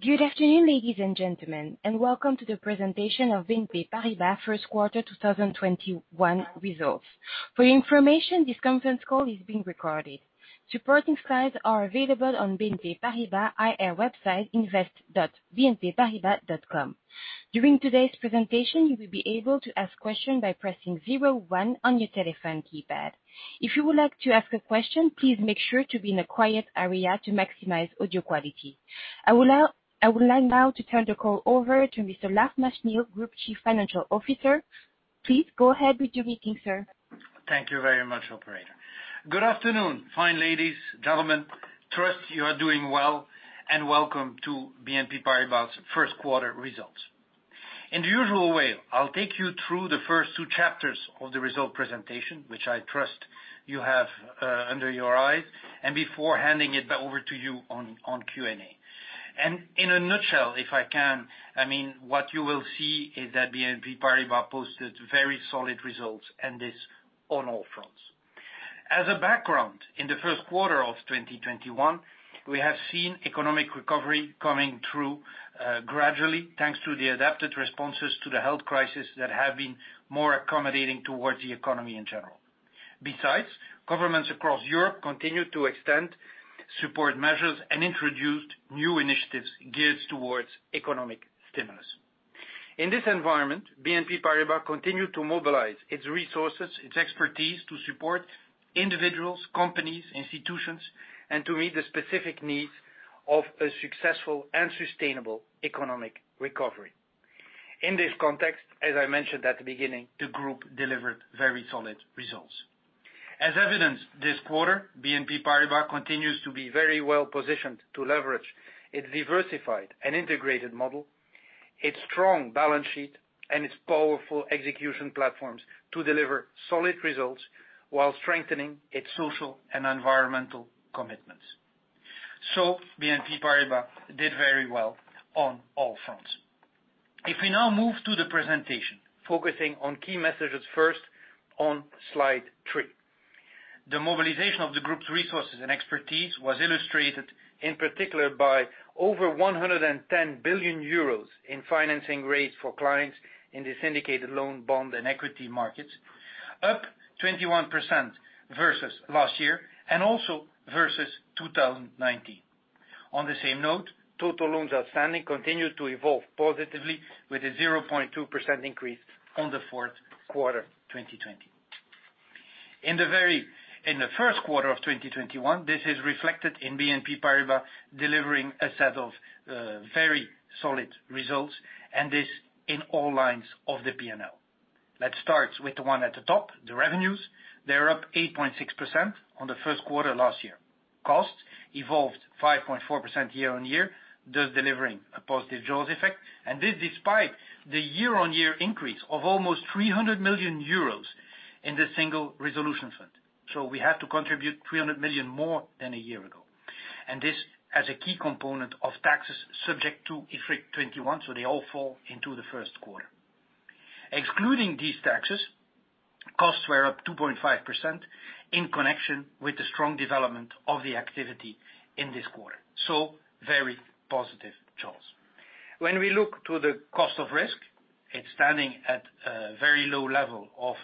Good afternoon, ladies and gentlemen, and welcome to the presentation of BNP Paribas first quarter 2021 results. For your information, this conference call is being recorded. Supporting slides are available on BNP Paribas IR website, invest.bnpparibas.com. During today's presentation, you will be able to ask questions by pressing zero one on your telephone keypad. If you would like to ask a question, please make sure to be in a quiet area to maximize audio quality. I would like now to turn the call over to Mr. Lars Machenil, Group Chief Financial Officer. Please go ahead with your meeting, sir. Thank you very much, operator. Good afternoon, fine ladies, gentlemen. Trust you are doing well, and welcome to BNP Paribas's first quarter results. In the usual way, I'll take you through the first two chapters of the result presentation, which I trust you have under your eyes, and before handing it over to you on Q&A. In a nutshell, if I can, I mean, what you will see is that BNP Paribas posted very solid results, and this on all fronts. As a background, in the first quarter of 2021, we have seen economic recovery coming through, gradually, thanks to the adapted responses to the health crisis that have been more accommodating towards the economy in general. Besides, governments across Europe continue to extend support measures and introduced new initiatives geared towards economic stimulus. In this environment, BNP Paribas continued to mobilize its resources, its expertise to support individuals, companies, institutions, and to meet the specific needs of a successful and sustainable economic recovery. In this context, as I mentioned at the beginning, the group delivered very solid results. As evidenced this quarter, BNP Paribas continues to be very well positioned to leverage its diversified and integrated model, its strong balance sheet, and its powerful execution platforms to deliver solid results while strengthening its social and environmental commitments. BNP Paribas did very well on all fronts. If we now move to the presentation, focusing on key messages first on slide three. The mobilization of the group's resources and expertise was illustrated, in particular by over 110 billion euros in financing rates for clients in the syndicated loan, bond, and equity markets, up 21% versus last year, and also versus 2019. On the same note, total loans outstanding continued to evolve positively with a 0.2% increase on the fourth quarter 2020. In the first quarter of 2021, this is reflected in BNP Paribas delivering a set of very solid results, and this in all lines of the P&L. Let's start with the one at the top, the revenues. They're up 8.6% on the first quarter last year. Costs evolved 5.4% year-on-year, thus delivering a positive jaws effect. This despite the year-on-year increase of almost 300 million euros in the Single Resolution Fund, so we had to contribute 300 million more than a year ago. This as a key component of taxes subject to IFRIC 21, so they all fall into the first quarter. Excluding these taxes, costs were up 2.5% in connection with the strong development of the activity in this quarter. Very positive jaws. When we look to the cost of risk, it's standing at a very low level of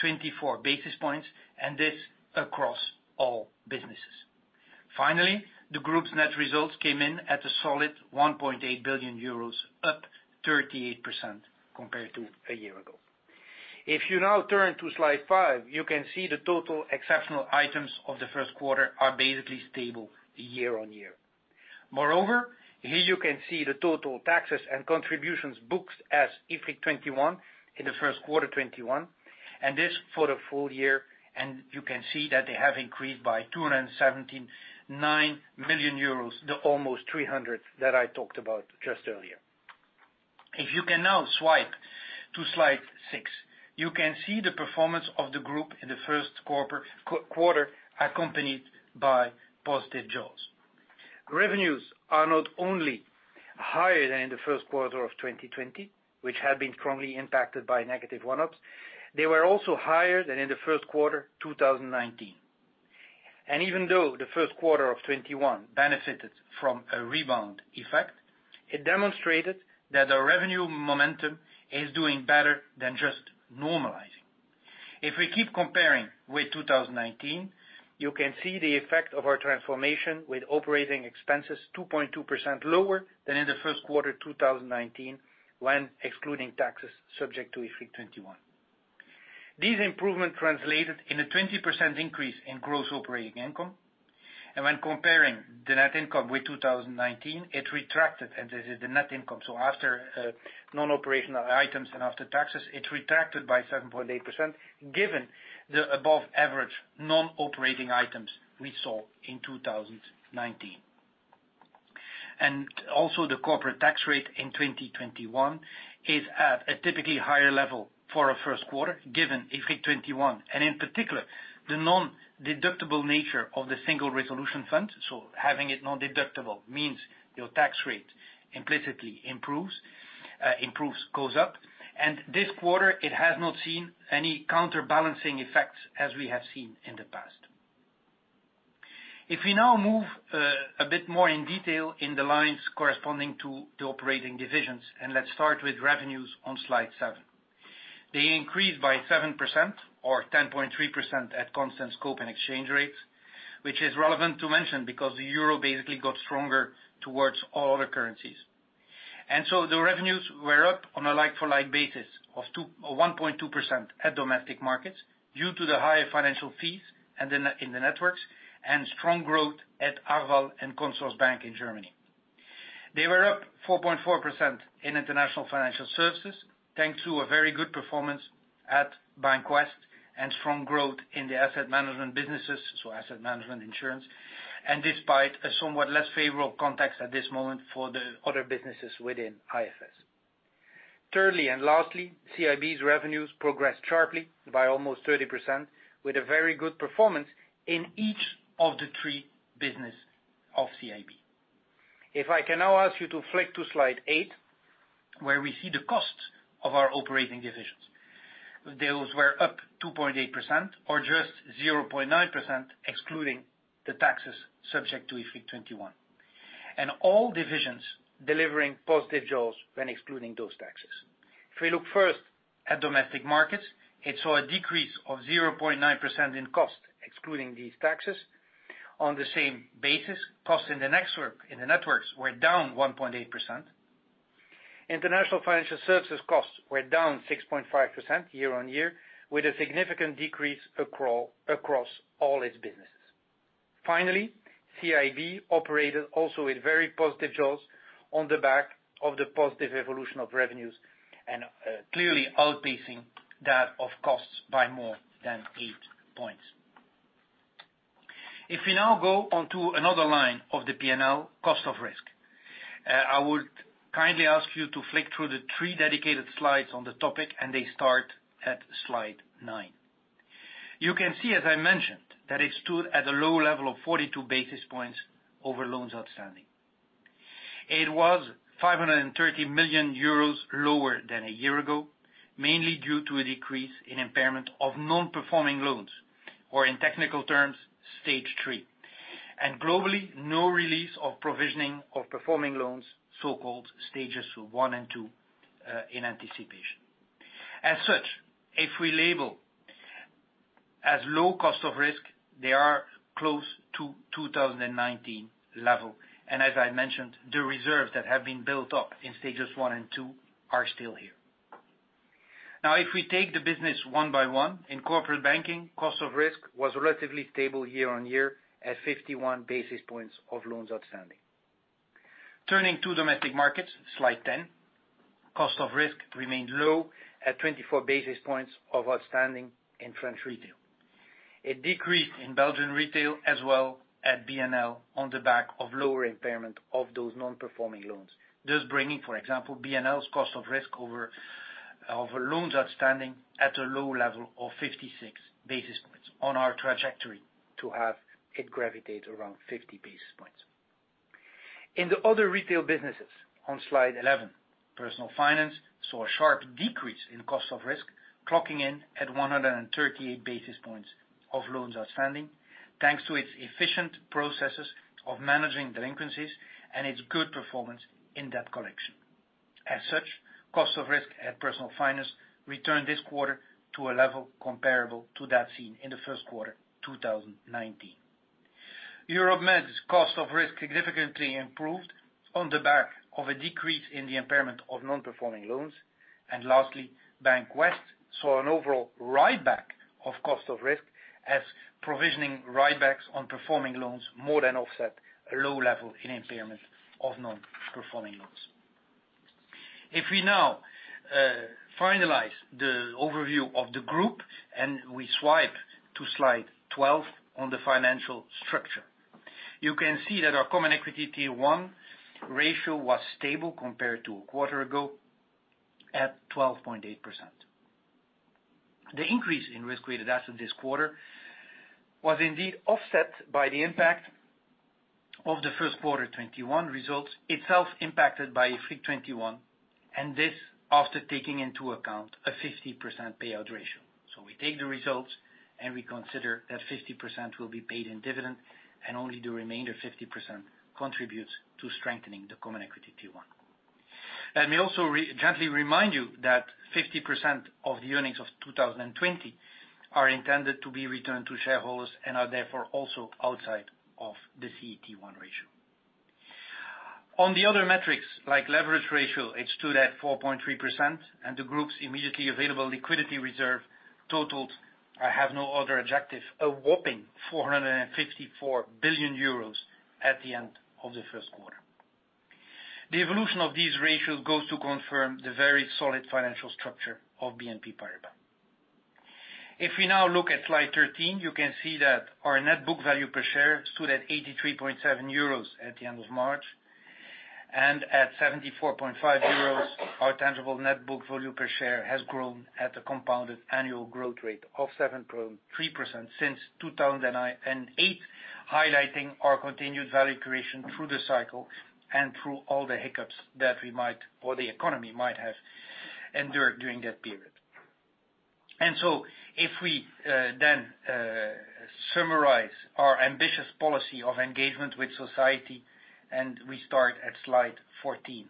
24 basis points, and this across all businesses. Finally, the group's net results came in at a solid 1.8 billion euros, up 38% compared to a year-on-year. If you now turn to slide five, you can see the total exceptional items of the first quarter are basically stable year-on-year. Here you can see the total taxes and contributions booked as IFRIC 21 in the first quarter 2021, and this for the full year, you can see that they have increased by 279 million euros, the almost 300 that I talked about just earlier. If you can now swipe to slide six, you can see the performance of the group in the first quarter, accompanied by positive jaws. Revenues are not only higher than in the first quarter of 2020, which had been strongly impacted by negative one-offs, they were also higher than in the first quarter 2019. Even though the first quarter of 2021 benefited from a rebound effect, it demonstrated that the revenue momentum is doing better than just normalizing. If we keep comparing with 2019, you can see the effect of our transformation with operating expenses 2.2% lower than in the first quarter 2019 when excluding taxes subject to IFRIC 21. These improvement translated in a 20% increase in gross operating income, and when comparing the net income with 2019, it retracted, and this is the net income, so after non-operational items and after taxes, it retracted by 7.8% given the above average non-operating items we saw in 2019. Also the corporate tax rate in 2021 is at a typically higher level for a first quarter given IFRIC 21, and in particular, the non-deductible nature of the Single Resolution Fund. Having it non-deductible means your tax rate implicitly improves. Improves, goes up. This quarter, it has not seen any counterbalancing effects as we have seen in the past. If we now move a bit more in detail in the lines corresponding to the operating divisions, and let's start with revenues on slide seven. They increased by 7% or 10.3% at constant scope and exchange rates, which is relevant to mention because the euro basically got stronger towards all other currencies. The revenues were up on a like-for-like basis of 1.2% at domestic markets due to the higher financial fees in the networks and strong growth at Arval and Consorsbank in Germany. They were up 4.4% in international financial services, thanks to a very good performance at Bank of the West and strong growth in the asset management businesses, so asset management insurance, and despite a somewhat less favorable context at this moment for the other businesses within IFS. Thirdly and lastly, CIB's revenues progressed sharply by almost 30%, with a very good performance in each of the three business of CIB. If I can now ask you to flick to slide eight, where we see the costs of our operating divisions. Those were up 2.8%, or just 0.9%, excluding the taxes subject to IFRIC 21, and all divisions delivering positive jaws when excluding those taxes. If we look first at domestic markets, it saw a decrease of 0.9% in cost, excluding these taxes. On the same basis, costs in the networks were down 1.8%. International financial services costs were down 6.5% year-on-year, with a significant decrease across all its businesses. Finally, CIB operated also with very positive jaws on the back of the positive evolution of revenues and clearly outpacing that of costs by more than eight points. If we now go on to another line of the P&L, cost of risk. I would kindly ask you to flick through the three dedicated slides on the topic, and they start at slide nine. You can see, as I mentioned, that it stood at a low level of 42 basis points over loans outstanding. It was 530 million euros lower than a year ago, mainly due to a decrease in impairment of non-performing loans, or in technical terms, stage 3. Globally, no release of provisioning of performing loans, so-called stages 1 and 2, in anticipation. As such, if we label as low cost of risk, they are close to 2019 level. As I mentioned, the reserves that have been built up in stages 1 and 2 are still here. Now, if we take the business one by one, in corporate banking, cost of risk was relatively stable year on year at 51 basis points of loans outstanding. Turning to domestic markets, slide 10, cost of risk remained low at 24 basis points of outstanding in French retail. It decreased in Belgian retail as well at BNL on the back of lower impairment of those non-performing loans. Bringing, for example, BNL's cost of risk over loans outstanding at a low level of 56 basis points on our trajectory to have it gravitate around 50 basis points. In the other retail businesses on slide 11, Personal Finance saw a sharp decrease in cost of risk, clocking in at 138 basis points of loans outstanding, thanks to its efficient processes of managing delinquencies and its good performance in debt collection. As such, cost of risk at Personal Finance returned this quarter to a level comparable to that seen in the first quarter 2019. Europe Med's cost of risk significantly improved on the back of a decrease in the impairment of non-performing loans. Lastly, Bank West saw an overall write-back of cost of risk as provisioning write-backs on performing loans more than offset a low level in impairment of non-performing loans. If we now finalize the overview of the group and we swipe to slide 12 on the financial structure. You can see that our common equity Tier 1 ratio was stable compared to a quarter ago at 12.8%. The increase in risk-weighted assets this quarter was indeed offset by the impact of the first quarter 2021 results, itself impacted by IFRIC 21, and this after taking into account a 50% payout ratio. We take the results, and we consider that 50% will be paid in dividend, and only the remainder 50% contributes to strengthening the common equity Tier 1. Let me also gently remind you that 50% of the earnings of 2020 are intended to be returned to shareholders and are therefore also outside of the CET1 ratio. On the other metrics, like leverage ratio, it stood at 4.3% and the group's immediately available liquidity reserve totaled, I have no other adjective, a whopping 454 billion euros at the end of the first quarter. The evolution of these ratios goes to confirm the very solid financial structure of BNP Paribas. If we now look at slide 13, you can see that our net book value per share stood at 83.70 euros at the end of March. At 74.50 euros, our tangible net book value per share has grown at a compounded annual growth rate of 7.3% since 2018. Highlighting our continued value creation through the cycle and through all the hiccups that we might or the economy might have endured during that period. If we then summarize our ambitious policy of engagement with society, and we start at slide 14.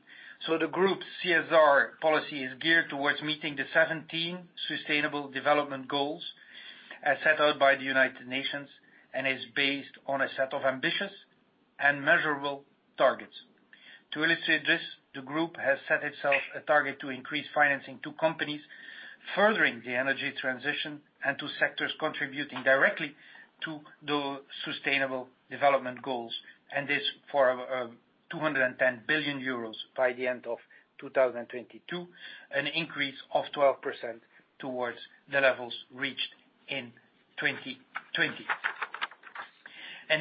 The group CSR policy is geared towards meeting the 17 Sustainable Development Goals as set out by the United Nations, and is based on a set of ambitious and measurable targets. To illustrate this, the group has set itself a target to increase financing to companies furthering the energy transition and to sectors contributing directly to the sustainable development goals, and this for 210 billion euros by the end of 2022, an increase of 12% towards the levels reached in 2020.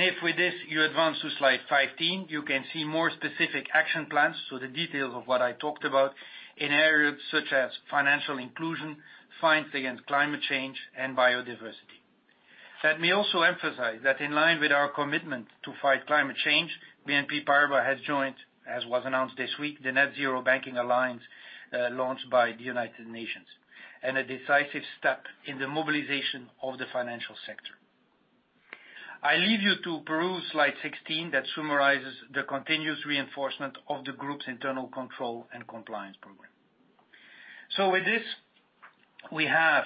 If with this, you advance to slide 15, you can see more specific action plans, so the details of what I talked about in areas such as financial inclusion, fight against climate change, and biodiversity. Let me also emphasize that in line with our commitment to fight climate change, BNP Paribas has joined, as was announced this week, the Net-Zero Banking Alliance, launched by the United Nations, and a decisive step in the mobilization of the financial sector. I leave you to peruse slide 16 that summarizes the continuous reinforcement of the group's internal control and compliance program. With this, we have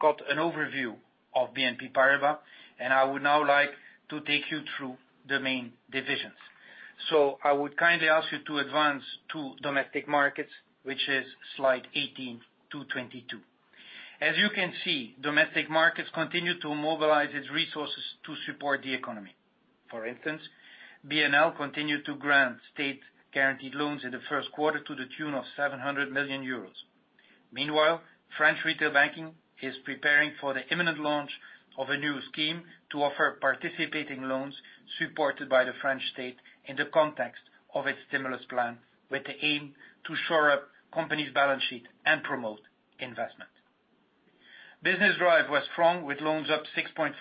got an overview of BNP Paribas, and I would now like to take you through the main divisions. I would kindly ask you to advance to Domestic Markets, which is slide 18 to 22. As you can see, Domestic Markets continue to mobilize its resources to support the economy. For instance, BNL continued to grant state-guaranteed loans in the first quarter to the tune of 700 million euros. Meanwhile, French Retail Banking is preparing for the imminent launch of a new scheme to offer participating loans supported by the French state in the context of its stimulus plan, with the aim to shore up companies' balance sheet and promote investment. Business drive was strong, with loans up 6.5%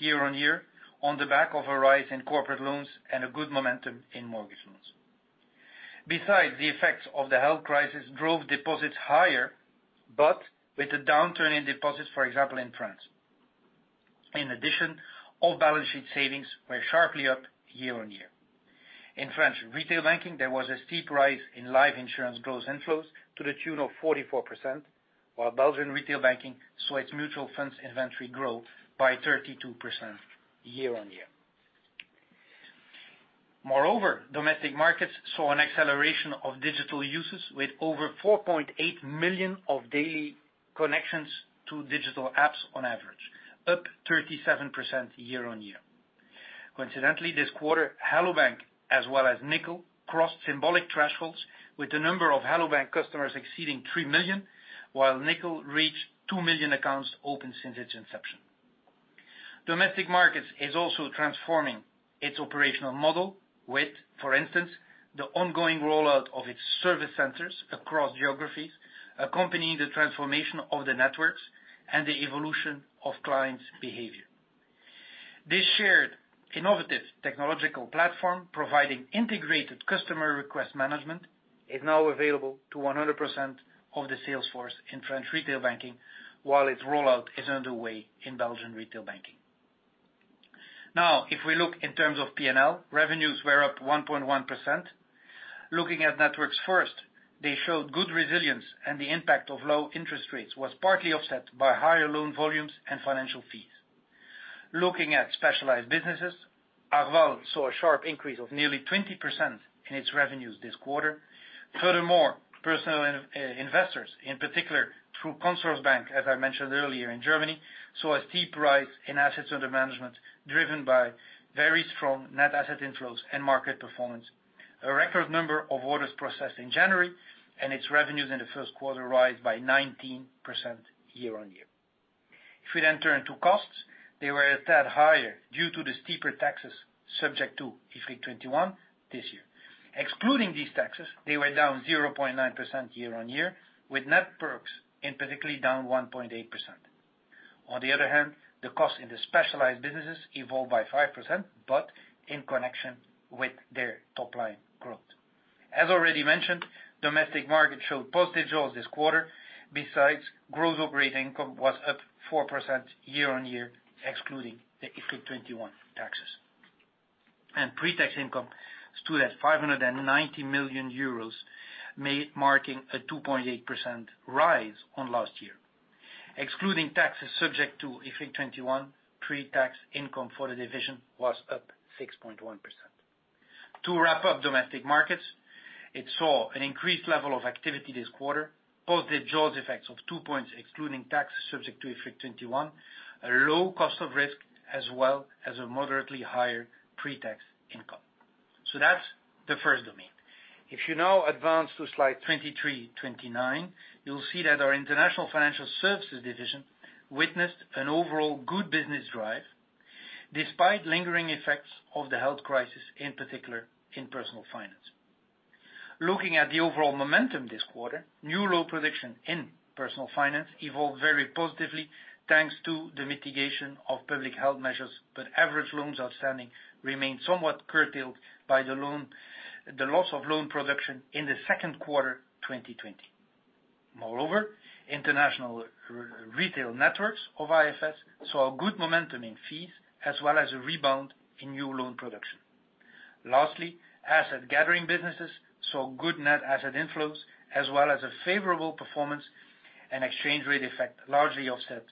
year-on-year on the back of a rise in corporate loans and a good momentum in mortgage loans. The effects of the health crisis drove deposits higher, but with a downturn in deposits, for example, in France. All balance sheet savings were sharply up year-on-year. In French Retail Banking, there was a steep rise in life insurance gross inflows to the tune of 44%, while Belgian Retail Banking saw its mutual funds inventory grow by 32% year-on-year. Domestic Markets saw an acceleration of digital users with over 4.8 million of daily connections to digital apps on average, up 37% year-on-year. This quarter, Hello bank! as well as Nickel crossed symbolic thresholds with the number of Hello bank! customers exceeding 3 million, while Nickel reached 2 million accounts opened since its inception. Domestic Markets is also transforming its operational model with, for instance, the ongoing rollout of its service centers across geographies, accompanying the transformation of the networks and the evolution of clients' behavior. This shared innovative technological platform providing integrated customer request management is now available to 100% of the sales force in French Retail Banking, while its rollout is underway in Belgian Retail Banking. If we look in terms of P&L, revenues were up 1.1%. Looking at networks first, they showed good resilience, and the impact of low-interest rates was partly offset by higher loan volumes and financial fees. Looking at specialized businesses, Arval saw a sharp increase of nearly 20% in its revenues this quarter. Furthermore, personal investors, in particular through Consorsbank, as I mentioned earlier, in Germany, saw a steep rise in assets under management, driven by very strong net asset inflows and market performance, a record number of orders processed in January, and its revenues in the first quarter rise by 19% year-on-year. If we turn to costs, they were a tad higher due to the steeper taxes subject to IFRIC 21 this year. Excluding these taxes, they were down 0.9% year-on-year, with net perks in particularly down 1.8%. On the other hand, the cost in the specialized businesses evolved by 5%, but in connection with their top-line growth. As already mentioned, Domestic Market showed positive jaws this quarter. Gross operating income was up 4% year-on-year, excluding the IFRIC 21 taxes. Pre-tax income stood at 590 million euros, marking a 2.8% rise on last year. Excluding taxes subject to IFRIC 21, pre-tax income for the division was up 6.1%. To wrap up Domestic Markets, it saw an increased level of activity this quarter, positive jaws effects of two points excluding taxes subject to IFRIC 21, a low cost of risk, as well as a moderately higher pre-tax income. That's the first domain. If you now advance to slide 23, 29, you'll see that our International Financial Services division witnessed an overall good business drive despite lingering effects of the health crisis, in particular in Personal Finance. Looking at the overall momentum this quarter, new loan production in Personal Finance evolved very positively thanks to the mitigation of public health measures, but average loans outstanding remain somewhat curtailed by the loss of loan production in the second quarter 2020. Moreover, International Retail Networks of IFS saw a good momentum in fees as well as a rebound in new loan production. Lastly, Asset Gathering businesses saw good net asset inflows as well as a favorable performance and exchange rate effect, largely offset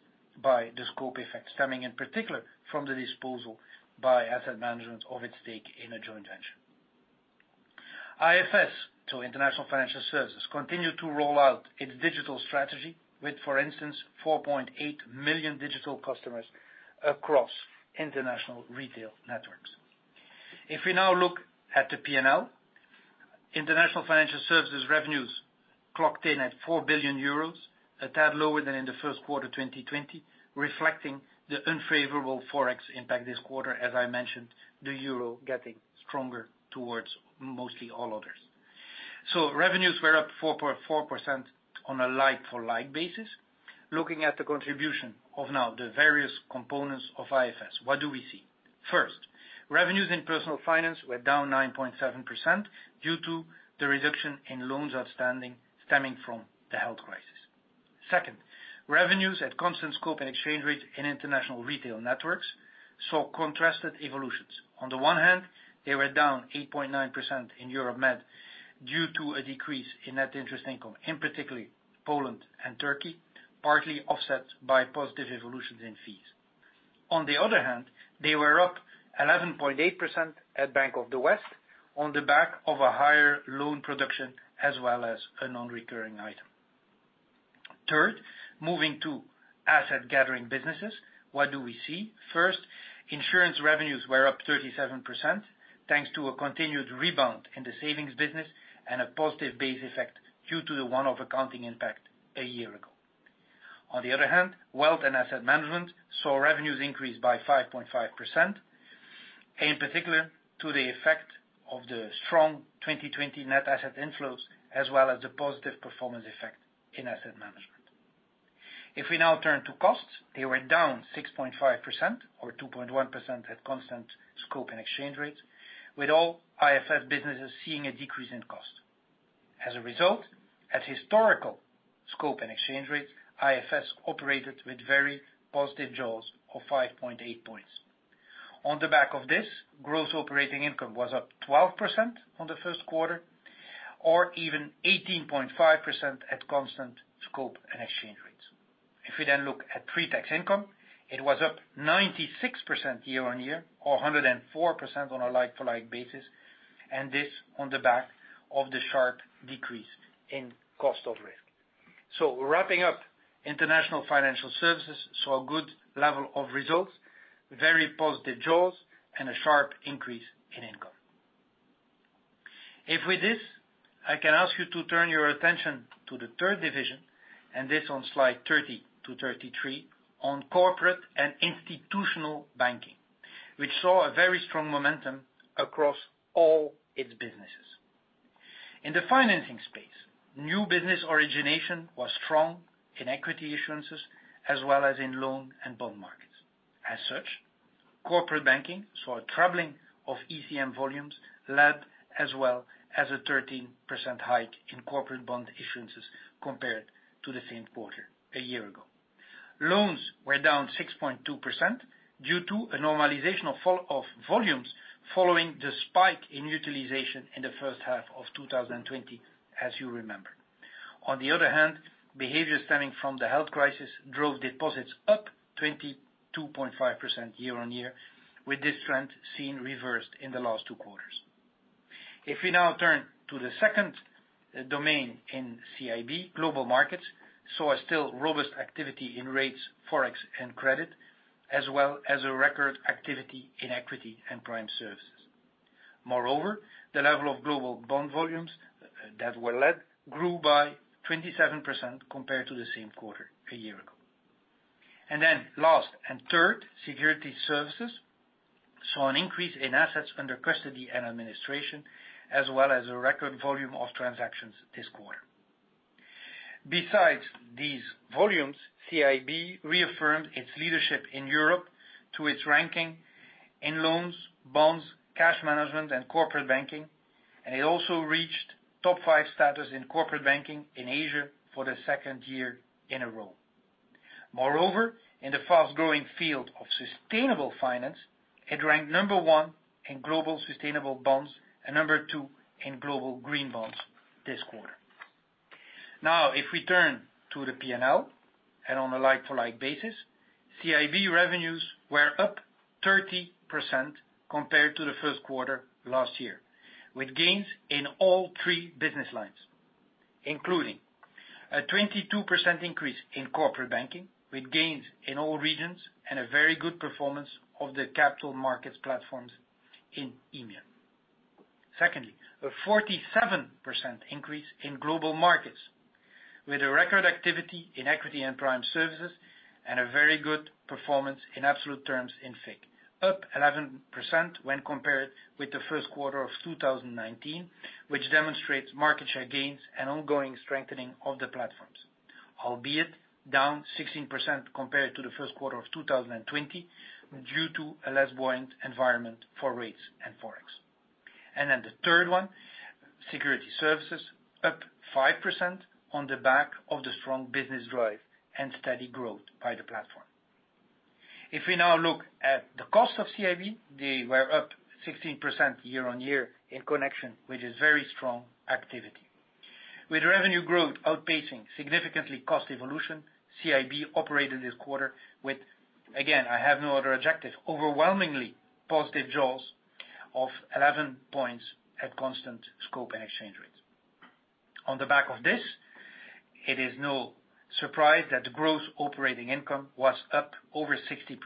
by the scope effect stemming in particular from the disposal by Asset Management of its stake in a joint venture. IFS, so International Financial Services, continued to roll out its digital strategy with, for instance, 4.8 million digital customers across international retail networks. We now look at the P&L, International Financial Services revenues clocked in at 4 billion euros, a tad lower than in the first quarter 2020, reflecting the unfavorable Forex impact this quarter, as I mentioned, the euro getting stronger towards mostly all others. Revenues were up 4.4% on a like-for-like basis. Looking at the contribution of now the various components of IFS, what do we see? First, revenues in Personal Finance were down 9.7% due to the reduction in loans outstanding stemming from the health crisis. Second, revenues at constant scope and exchange rates in international retail networks saw contrasted evolutions. They were down 8.9% in Europe-Mediterranean due to a decrease in net interest income, in particular Poland and Turkey, partly offset by positive evolutions in fees. They were up 11.8% at Bank of the West on the back of a higher loan production as well as a non-recurring item. Third, moving to Asset Gathering businesses, what do we see? First, insurance revenues were up 37% thanks to a continued rebound in the savings business and a positive base effect due to the one-off accounting impact a year ago. Wealth and Asset Management saw revenues increase by 5.5%, in particular to the effect of the strong 2020 net asset inflows as well as the positive performance effect in Asset Management. We now turn to costs, they were down 6.5%, or 2.1% at constant scope and exchange rates, with all IFS businesses seeing a decrease in cost. As a result, at historical scope and exchange rates, IFS operated with very positive jaws of 5.8 points. On the back of this, gross operating income was up 12% on the first quarter, or even 18.5% at constant scope and exchange rates. We then look at pre-tax income, it was up 96% year-on-year, or 104% on a like-for-like basis, and this on the back of the sharp decrease in cost of risk. Wrapping up International Financial Services saw a good level of results, very positive jaws, and a sharp increase in income. With this, I can ask you to turn your attention to the third division, and this on slide 30 to 33, on Corporate and Institutional Banking, which saw a very strong momentum across all its businesses. In the financing space, new business origination was strong in equity issuances as well as in loan and bond markets. As such, Corporate Banking saw a tripling of ECM volumes led as well as a 13% hike in corporate bond issuances compared to the same quarter a year ago. Loans were down 6.2% due to a normalization of volumes following the spike in utilization in the first half of 2020, as you remember. On the other hand, behavior stemming from the health crisis drove deposits up 22.5% year-on-year, with this trend seen reversed in the last two quarters. If we now turn to the second domain in CIB, Global Markets saw a still robust activity in rates, Forex, and credit, as well as a record activity in equity and prime services. The level of global bond volumes that were led grew by 27% compared to the same quarter a year ago. Last and third, Securities Services saw an increase in assets under custody and administration, as well as a record volume of transactions this quarter. Besides these volumes, CIB reaffirmed its leadership in Europe to its ranking in loans, bonds, cash management, and corporate banking, and it also reached top 5 status in corporate banking in Asia for the second year in a row. In the fast-growing field of sustainable finance, it ranked number 1 in global sustainable bonds and number 2 in global green bonds this quarter. Now, if we turn to the P&L, on a like-for-like basis, CIB revenues were up 30% compared to the first quarter last year, with gains in all three business lines, including a 22% increase in Corporate Banking, with gains in all regions and a very good performance of the capital markets platforms in EMEA. Secondly, a 47% increase in Global Markets, with a record activity in equity and prime services, and a very good performance in absolute terms in FIC, up 11% when compared with the first quarter of 2019, which demonstrates market share gains and ongoing strengthening of the platforms. Albeit, down 16% compared to the first quarter of 2020, due to a less buoyant environment for rates and Forex. The third one, security services, up 5% on the back of the strong business drive and steady growth by the platform. If we now look at the cost of CIB, they were up 16% year-on-year in connection, which is very strong activity. With revenue growth outpacing significantly cost evolution, CIB operated this quarter with, again, I have no other adjective, overwhelmingly positive jaws of 11 points at constant scope and exchange rates. On the back of this, it is no surprise that the gross operating income was up over 60%.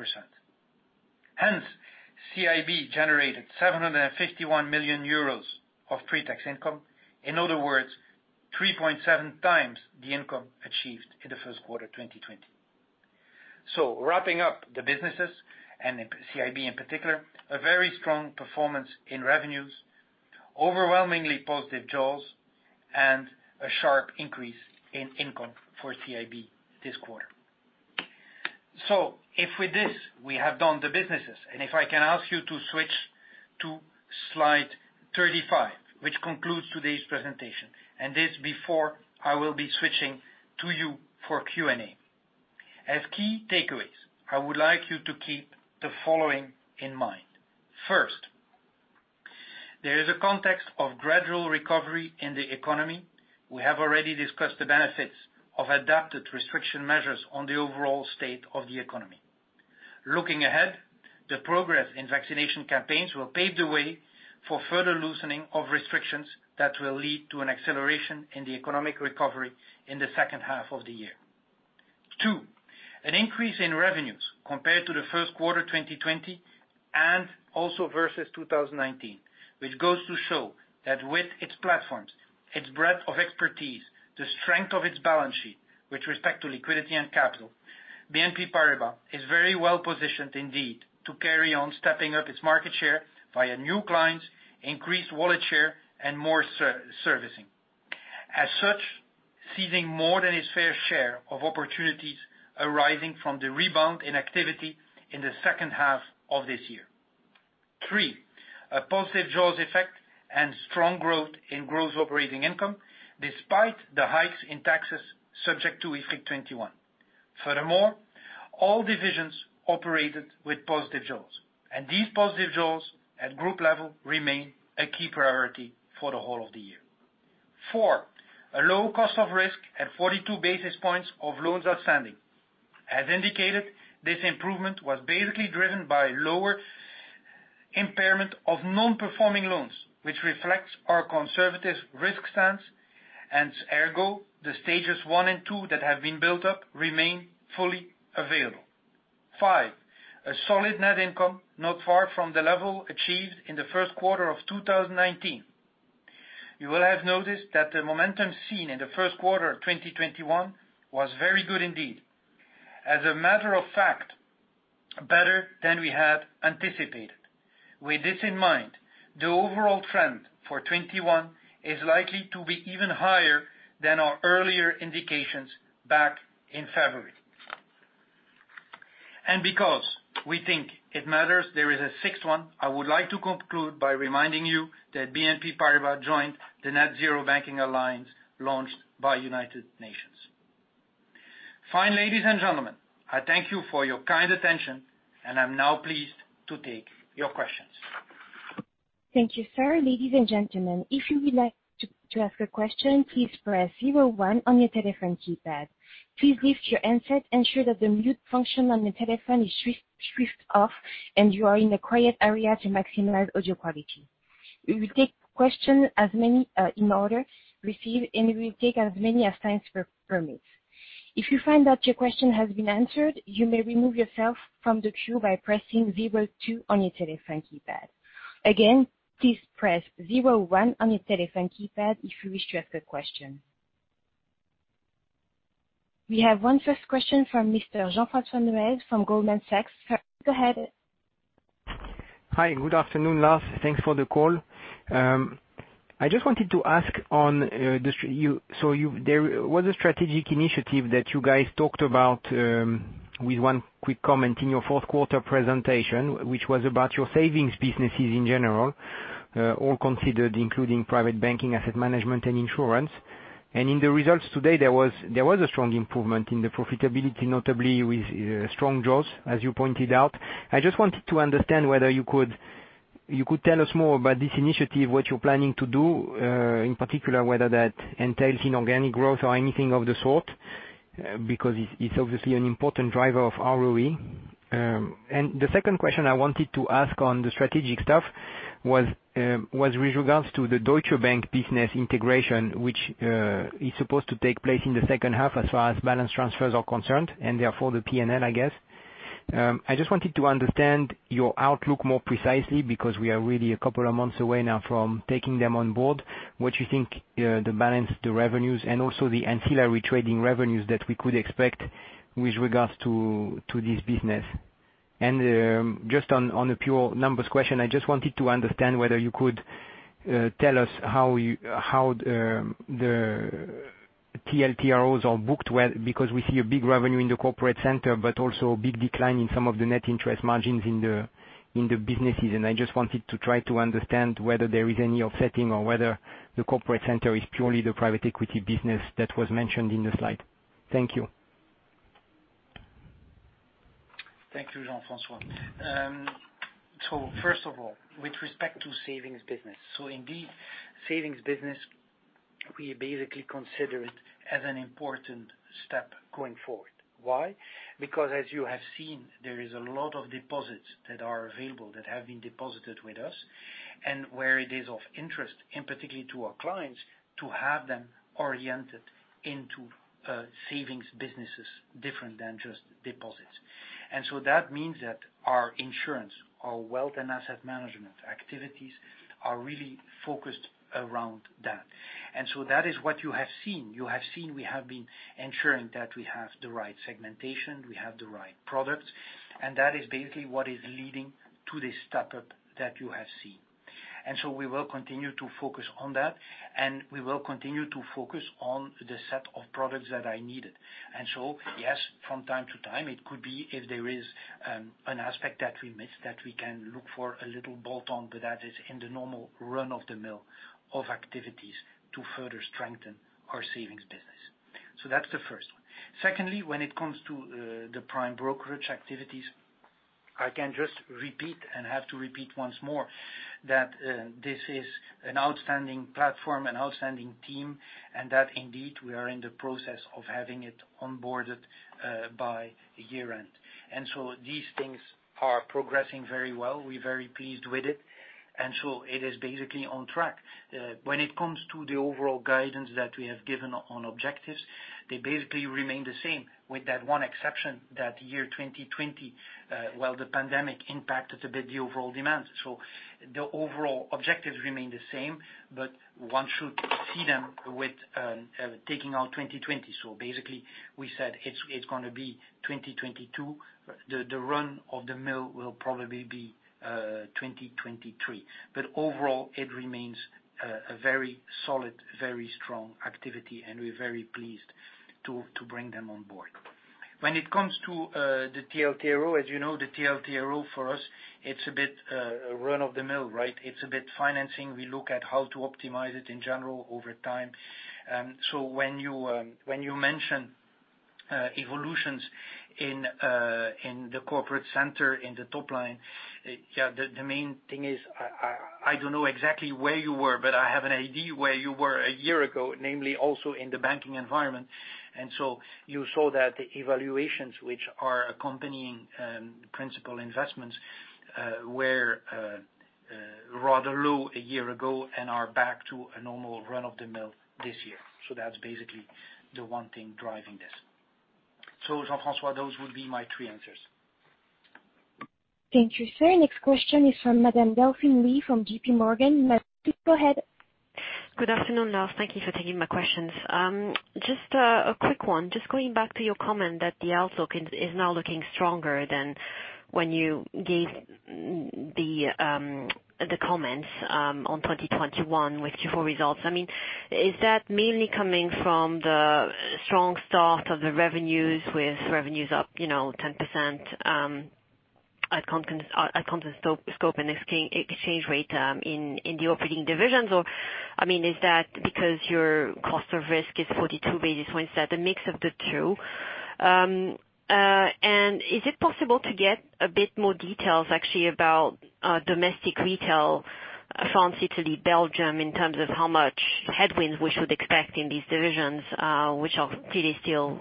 CIB generated 751 million euros of pre-tax income. In other words, 3.7x the income achieved in the first quarter of 2020. Wrapping up the businesses and CIB in particular, a very strong performance in revenues, overwhelmingly positive jaws, and a sharp increase in income for CIB this quarter. If with this, we have done the businesses, and if I can ask you to switch to slide 35, which concludes today's presentation, and this before I will be switching to you for Q&A. As key takeaways, I would like you to keep the following in mind. First, there is a context of gradual recovery in the economy. We have already discussed the benefits of adapted restriction measures on the overall state of the economy. Looking ahead, the progress in vaccination campaigns will pave the way for further loosening of restrictions that will lead to an acceleration in the economic recovery in the second half of the year. Two, an increase in revenues compared to the first quarter 2020, also versus 2019, which goes to show that with its platforms, its breadth of expertise, the strength of its balance sheet with respect to liquidity and capital, BNP Paribas is very well-positioned indeed to carry on stepping up its market share via new clients, increased wallet share, and more servicing. Seizing more than its fair share of opportunities arising from the rebound in activity in the second half of this year. Three, a positive jaws effect and strong growth in gross operating income, despite the hikes in taxes subject to IFRIC 21. Furthermore, all divisions operated with positive jaws, these positive jaws at group level remain a key priority for the whole of the year. Four, a low cost of risk at 42 basis points of loans outstanding. As indicated, this improvement was basically driven by lower impairment of non-performing loans, which reflects our conservative risk stance, hence ergo, the Stages 1 and 2 that have been built up remain fully available. 5, a solid net income, not far from the level achieved in the first quarter of 2019. You will have noticed that the momentum seen in the first quarter of 2021 was very good indeed. As a matter of fact, better than we had anticipated. With this in mind, the overall trend for 2021 is likely to be even higher than our earlier indications back in February. Because we think it matters, there is a sixth one. I would like to conclude by reminding you that BNP Paribas joined the Net-Zero Banking Alliance launched by United Nations. Fine, ladies and gentlemen, I thank you for your kind attention, and I'm now pleased to take your questions. Thank you, sir. Ladies and gentlemen, if you would like to ask a question, please press zero one on your telephone keypad. Please lift your handset, ensure that the mute function on the telephone is switched off, and you are in a quiet area to maximize audio quality. We will take questions in order received. We will take as many as time permits. If you find that your question has been answered, you may remove yourself from the queue by pressing zero two on your telephone keypad. Again, please press zero one on your telephone keypad if you wish to ask a question. We have one first question from Mr. Jean-François Neuez from Goldman Sachs. Sir, go ahead. Hi, good afternoon, Lars. Thanks for the call. I just wanted to ask on, so there was a strategic initiative that you guys talked about with one quick comment in your fourth quarter presentation, which was about your savings businesses in general, all considered, including private banking, asset management, and insurance. In the results today, there was a strong improvement in the profitability, notably with strong jaws, as you pointed out. I just wanted to understand whether you could tell us more about this initiative, what you're planning to do, in particular, whether that entails inorganic growth or anything of the sort, because it's obviously an important driver of ROE. The second question I wanted to ask on the strategic stuff was with regards to the Deutsche Bank business integration, which is supposed to take place in the second half as far as balance transfers are concerned, and therefore the P&L, I guess. I just wanted to understand your outlook more precisely, because we are really a couple of months away now from taking them on board. What you think the balance, the revenues, and also the ancillary trading revenues that we could expect with regards to this business? Just on a pure numbers question, I just wanted to understand whether you could tell us how the TLTROs are booked, because we see a big revenue in the corporate center, but also a big decline in some of the net interest margins in the businesses. I just wanted to try to understand whether there is any offsetting or whether the corporate center is purely the private equity business that was mentioned in the slide. Thank you. Thank you, Jean-François. First of all, with respect to savings business. Indeed, savings business, we basically consider it as an important step going forward. Why? Because as you have seen, there is a lot of deposits that are available that have been deposited with us, and where it is of interest, in particularly to our clients, to have them oriented into savings businesses different than just deposits. That means that our insurance, our wealth and asset management activities are really focused around that. That is what you have seen. You have seen we have been ensuring that we have the right segmentation, we have the right product, and that is basically what is leading to this step-up that you have seen. We will continue to focus on that, and we will continue to focus on the set of products that are needed. Yes, from time to time, it could be if there is an aspect that we missed, that we can look for a little bolt on, but that is in the normal run-of-the-mill of activities to further strengthen our savings business. That's the first one. Secondly, when it comes to the prime brokerage activities, I can just repeat and have to repeat once more that this is an outstanding platform, an outstanding team, and that indeed, we are in the process of having it onboarded by year-end. These things are progressing very well. We're very pleased with it. It is basically on track. When it comes to the overall guidance that we have given on objectives, they basically remain the same with that one exception, that year 2020, well, the pandemic impacted a bit the overall demand. The overall objectives remain the same, but one should see them with taking out 2020. Basically, we said it's going to be 2022. The run-of-the-mill will probably be 2023. Overall, it remains a very solid, very strong activity, and we're very pleased to bring them on board. When it comes to the TLTRO, as you know, the TLTRO for us, it's a bit run-of-the-mill, right? It's a bit financing. We look at how to optimize it in general over time. When you mention evolutions in the corporate center, in the top line, yeah, the main thing is, I don't know exactly where you were, but I have an idea where you were a year ago, namely also in the banking environment. You saw that the evaluations which are accompanying principal investments were rather low a year ago and are back to a normal run-of-the-mill this year. That's basically the one thing driving this. Jean-François, those would be my three answers. Thank you, sir. Next question is from Madame Delphine Lee from JPMorgan. Madame, please go ahead. Good afternoon, Lars. Thank you for taking my questions. Just a quick one. Just going back to your comment that the outlook is now looking stronger than when you gave the comments on 2021 with Q4 results. Is that mainly coming from the strong start of the revenues with revenues up 10% at constant scope and exchange rate in the operating divisions, or is that because your cost of risk is 42 basis points? Is that a mix of the two? Is it possible to get a bit more details actually about domestic retail, France, Italy, Belgium, in terms of how much headwinds we should expect in these divisions, which are clearly still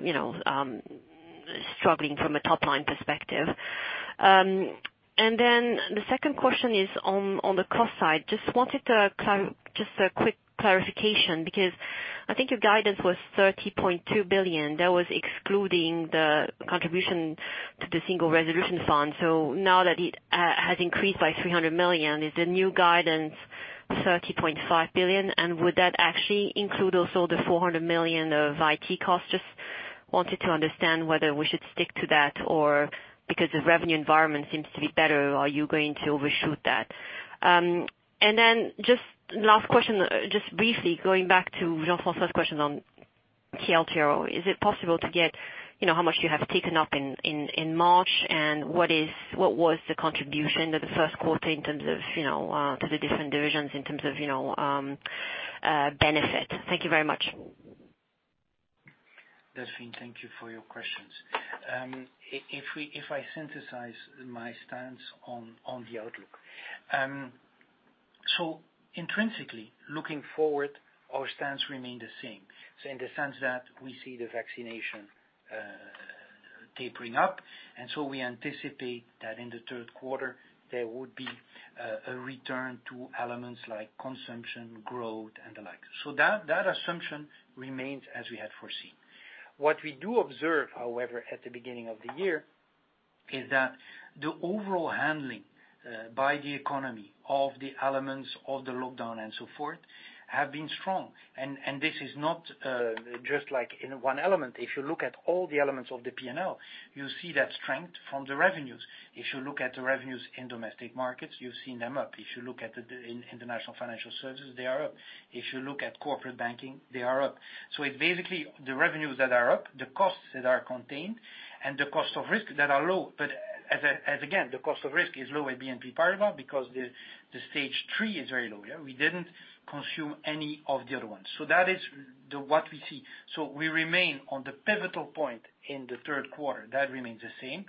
struggling from a top-line perspective. The second question is on the cost side. Just a quick clarification, because I think your guidance was 30.2 billion. That was excluding the contribution to the Single Resolution Fund. Now that it has increased by 300 million, is the new guidance 30.5 billion? Would that actually include also the 400 million of IT costs? Just wanted to understand whether we should stick to that, or because the revenue environment seems to be better, are you going to overshoot that? Just last question, just briefly going back to Jean-François's question on TLTRO. Is it possible to get how much you have taken up in March and what was the contribution of the first quarter to the different divisions in terms of benefit? Thank you very much. Delphine, thank you for your questions. If I synthesize my stance on the outlook. Intrinsically, looking forward, our stance remain the same. In the sense that we see the vaccination tapering up, and so we anticipate that in the third quarter, there would be a return to elements like consumption, growth, and the like. That assumption remains as we had foreseen. What we do observe, however, at the beginning of the year, is that the overall handling by the economy of the elements of the lockdown and so forth, have been strong. This is not just like in one element. If you look at all the elements of the P&L, you see that strength from the revenues. If you look at the revenues in domestic markets, you're seeing them up. If you look at the International Financial Services, they are up. If you look at corporate banking, they are up. Basically, the revenues that are up, the costs that are contained, and the cost of risk that are low. As again, the cost of risk is low at BNP Paribas because the Stage 3 is very low, yeah. We didn't consume any of the other ones. That is what we see. We remain on the pivotal point in the third quarter. That remains the same.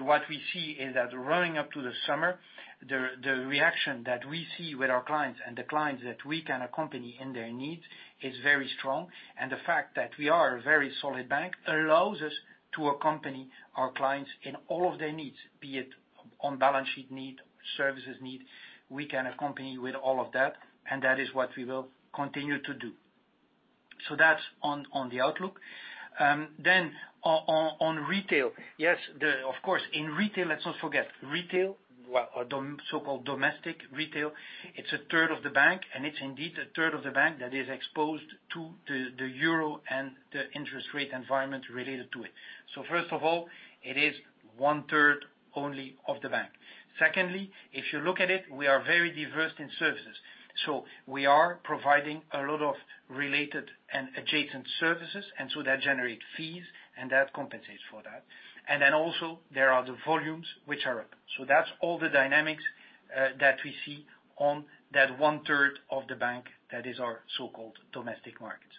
What we see is that running up to the summer, the reaction that we see with our clients and the clients that we can accompany in their needs is very strong. The fact that we are a very solid bank allows us to accompany our clients in all of their needs. Be it on balance sheet need, services need, we can accompany with all of that, and that is what we will continue to do. That's on the outlook. On retail. Yes, of course, in retail, let's not forget, retail, or so-called domestic retail, it's a third of the bank, and it's indeed a third of the bank that is exposed to the Euro and the interest rate environment related to it. First of all, it is one third only of the bank. Secondly, if you look at it, we are very diverse in services. We are providing a lot of related and adjacent services, that generate fees, and that compensates for that. Also, there are the volumes which are up. That's all the dynamics that we see on that one third of the bank that is our so-called domestic markets.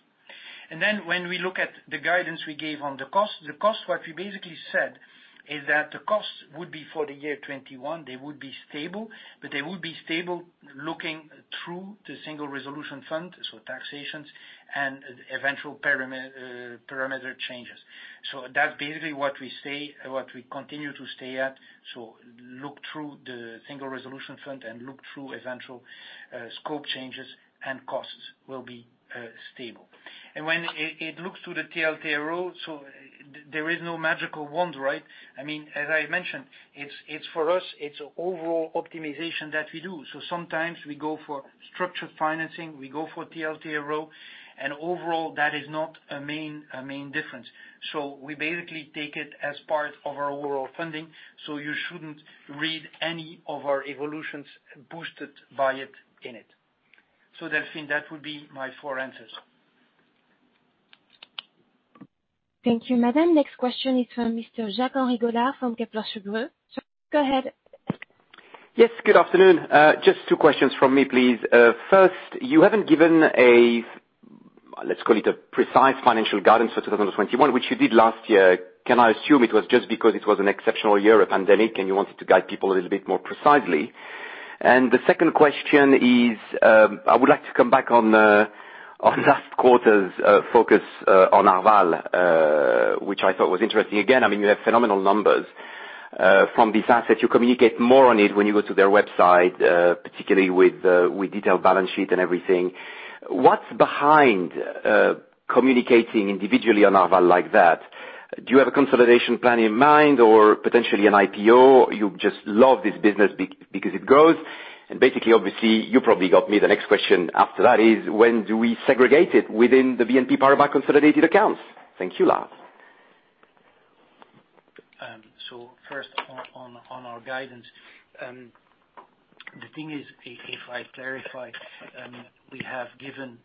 When we look at the guidance we gave on the cost, what we basically said is that the cost would be for the year 2021, they would be stable, but they would be stable looking through the Single Resolution Fund, so taxations and eventual parameter changes. That's basically what we continue to stay at. Look through the Single Resolution Fund and look through eventual scope changes and costs will be stable. When it looks to the TLTRO, so there is no magical wand, right? As I mentioned, for us, it's overall optimization that we do. Sometimes we go for structured financing, we go for TLTRO, and overall, that is not a main difference. We basically take it as part of our overall funding. You shouldn't read any of our evolutions boosted by it in it. Delphine, that would be my four answers. Thank you, Madame. Next question is from Mr. Jacques-Henri Gaulard from Kepler Cheuvreux. Go ahead. Yes, good afternoon. Just two questions from me, please. First, you haven't given a, let's call it a precise financial guidance for 2021, which you did last year. Can I assume it was just because it was an exceptional year of pandemic, and you wanted to guide people a little bit more precisely? The second question is, I would like to come back on last quarter's focus on Arval, which I thought was interesting. Again, you have phenomenal numbers from this asset. You communicate more on it when you go to their website, particularly with detailed balance sheet and everything. What's behind communicating individually on Arval like that? Do you have a consolidation plan in mind or potentially an IPO? You just love this business because it grows. Basically, obviously, you probably got me the next question after that is, when do we segregate it within the BNP Paribas consolidated accounts? Thank you, Lars. First on our guidance. The thing is, if I clarify, we have given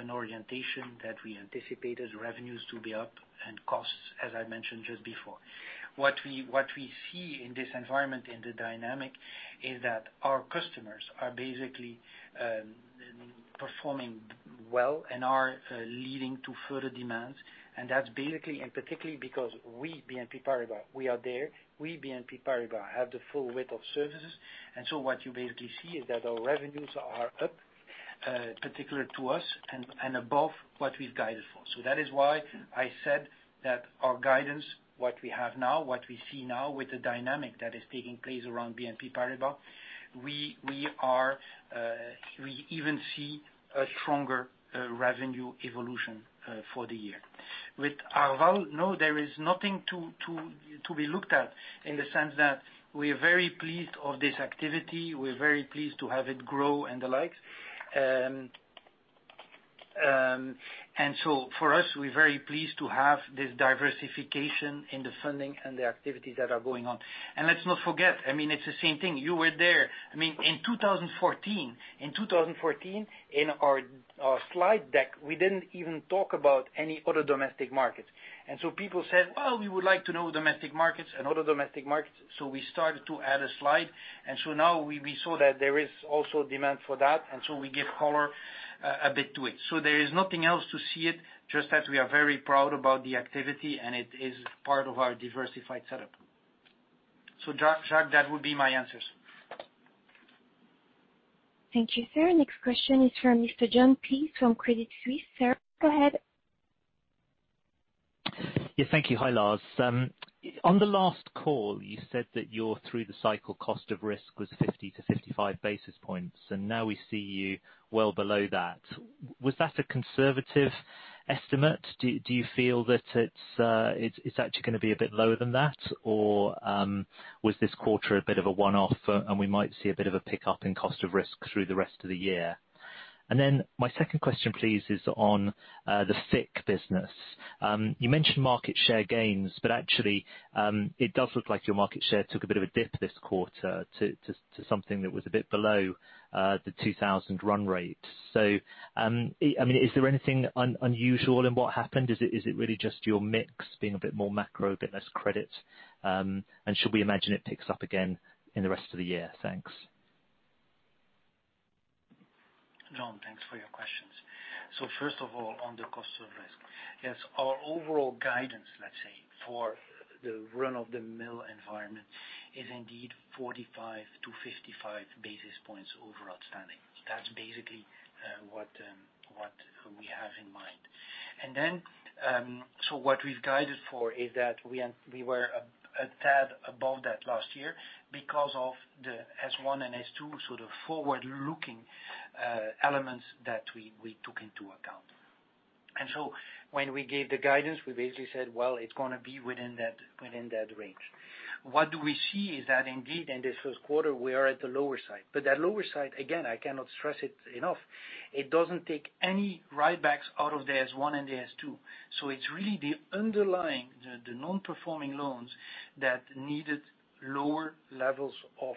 an orientation that we anticipated revenues to be up and costs, as I mentioned just before. What we see in this environment in the dynamic is that our customers are basically performing well and are leading to further demands. That's basically and particularly because we, BNP Paribas, we are there, we, BNP Paribas, have the full width of services. What you basically see is that our revenues are up particular to us and above what we've guided for. That is why I said that our guidance, what we have now, what we see now with the dynamic that is taking place around BNP Paribas, we even see a stronger revenue evolution for the year. With Arval, no, there is nothing to be looked at in the sense that we are very pleased of this activity. We're very pleased to have it grow and the likes. For us, we're very pleased to have this diversification in the funding and the activities that are going on. Let's not forget, it's the same thing. You were there. In 2014, in our slide deck, we didn't even talk about any other domestic markets. People said, well, we would like to know domestic markets and other domestic markets. We started to add a slide, and so now we saw that there is also demand for that, and so we give color a bit to it. There is nothing else to see it, just that we are very proud about the activity, and it is part of our diversified setup. Jacques, that would be my answers. Thank you, sir. Next question is from Mr. Jon Peace from Credit Suisse. Sir, go ahead. Yeah. Thank you. Hi, Lars. On the last call, you said that your through-the-cycle cost of risk was 50-55 basis points. Now we see you well below that. Was that a conservative estimate? Do you feel that it's actually going to be a bit lower than that? Was this quarter a bit of a one-off, and we might see a bit of a pickup in cost of risk through the rest of the year? My second question, please, is on the FIC business. You mentioned market share gains. Actually, it does look like your market share took a bit of a dip this quarter to something that was a bit below the 2,000 run rate. Is there anything unusual in what happened? Is it really just your mix being a bit more macro, a bit less credit? Should we imagine it picks up again in the rest of the year? Thanks. Jon, thanks for your questions. First of all, on the cost of risk. Yes, our overall guidance, let's say, for the run-of-the-mill environment, is indeed 45-55 basis points overall standing. That's basically what we have in mind. What we've guided for is that we were a tad above that last year because of the S1 and S2, so the forward-looking elements that we took into account. When we gave the guidance, we basically said, well, it's going to be within that range. What we see is that indeed, in this first quarter, we are at the lower side. That lower side, again, I cannot stress it enough, it doesn't take any write-backs out of the S1 and the S2. It's really the underlying, the non-performing loans that needed lower levels of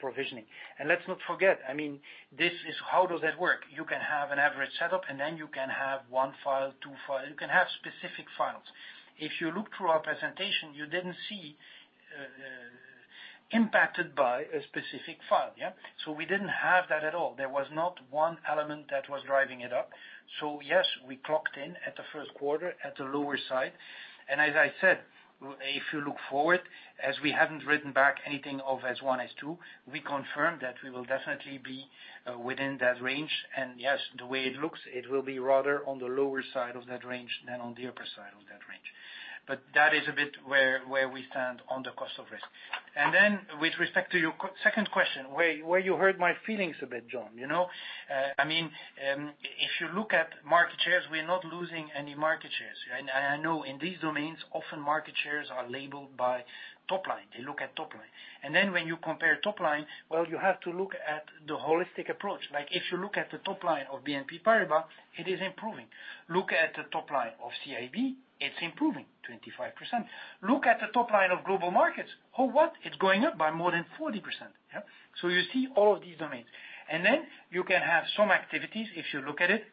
provisioning. Let's not forget, how does that work? You can have an average setup, then you can have one file, two files. You can have specific files. If you look through our presentation, you didn't see impacted by a specific file. Yeah. We didn't have that at all. There was not one element that was driving it up. Yes, we clocked in at the first quarter at the lower side, and as I said, if you look forward, as we haven't written back anything of S1, S2, we confirm that we will definitely be within that range. Yes, the way it looks, it will be rather on the lower side of that range than on the upper side of that range. That is a bit where we stand on the cost of risk. Then with respect to your second question, where you hurt my feelings a bit, Jon. If you look at market shares, we're not losing any market shares. I know in these domains, often market shares are labeled by top line. They look at top line. When you compare top line, well, you have to look at the holistic approach. If you look at the top line of BNP Paribas, it is improving. Look at the top line of CIB, it's improving, 25%. Look at the top line of global markets. Oh, what. It's going up by more than 40%. Yeah. You see all of these domains. You can have some activities, if you look at it,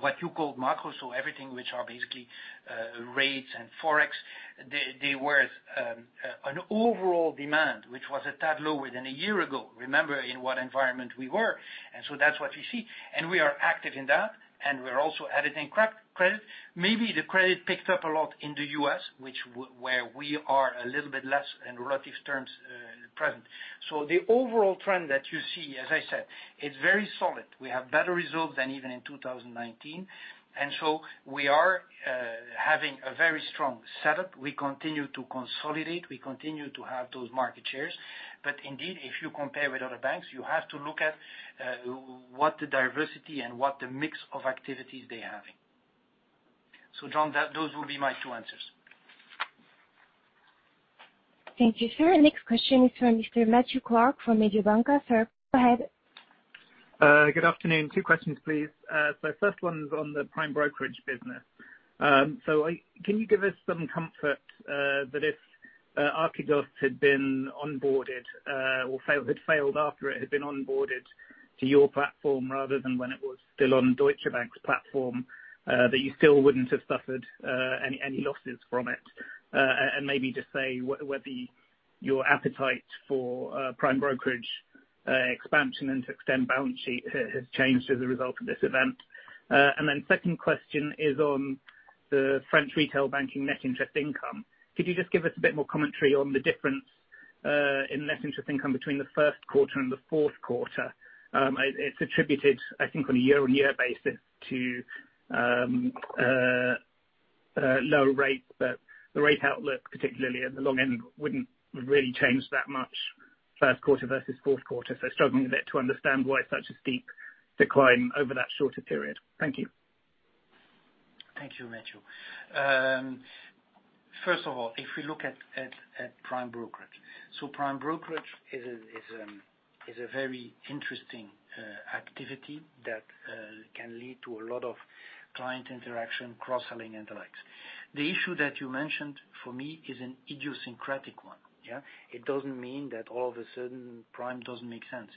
what you call macro, so everything which are basically rates and Forex. They were an overall demand, which was a tad lower than a year ago. Remember in what environment we were. That's what you see. We are active in that, and we're also adding in credit. Maybe the credit picked up a lot in the U.S., where we are a little bit less in relative terms present. The overall trend that you see, as I said, it's very solid. We have better results than even in 2019. We are having a very strong setup. We continue to consolidate. We continue to have those market shares. Indeed, if you compare with other banks, you have to look at what the diversity and what the mix of activities they're having. Jon, those will be my two answers. Thank you, sir. Next question is from Mr. Matthew Clark from Mediobanca. Sir, go ahead. Good afternoon. Two questions, please. First one's on the prime brokerage business. Can you give us some comfort that if Archegos had been onboarded, or had failed after it had been onboarded to your platform rather than when it was still on Deutsche Bank's platform, that you still wouldn't have suffered any losses from it? And maybe just say whether your appetite for prime brokerage expansion and to extend balance sheet has changed as a result of this event. Second question is on the French retail banking net interest income. Could you just give us a bit more commentary on the difference in net interest income between the first quarter and the fourth quarter? It's attributed, I think, on a year-on-year basis to lower rates, but the rate outlook, particularly at the long end, wouldn't really change that much first quarter versus fourth quarter. Struggling a bit to understand why such a steep decline over that shorter period. Thank you. Thank you, Matthew. First of all, if we look at prime brokerage. Prime brokerage is a very interesting activity that can lead to a lot of client interaction, cross-selling, and the likes. The issue that you mentioned for me is an idiosyncratic one. It doesn't mean that all of a sudden prime doesn't make sense.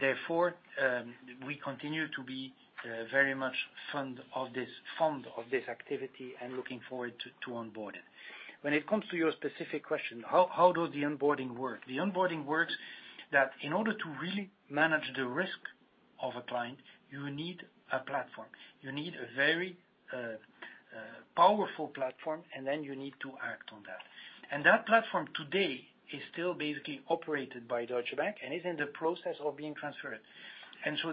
Therefore, we continue to be very much fond of this activity and looking forward to onboard it. When it comes to your specific question, how does the onboarding work? The onboarding works that in order to really manage the risk of a client, you need a platform. You need a very powerful platform, and then you need to act on that. That platform today is still basically operated by Deutsche Bank and is in the process of being transferred.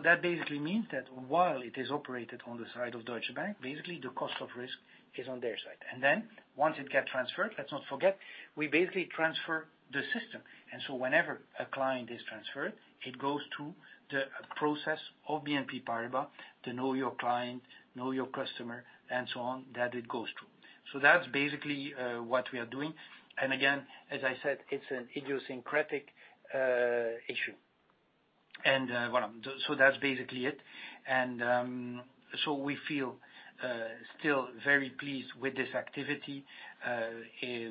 That basically means that while it is operated on the side of Deutsche Bank, basically the cost of risk is on their side. Once it gets transferred, let's not forget, we basically transfer the system. Whenever a client is transferred, it goes through the process of BNP Paribas to know your client, know your customer, and so on, that it goes through. That's basically what we are doing. Again, as I said, it's an idiosyncratic issue. That's basically it. We feel still very pleased with this activity.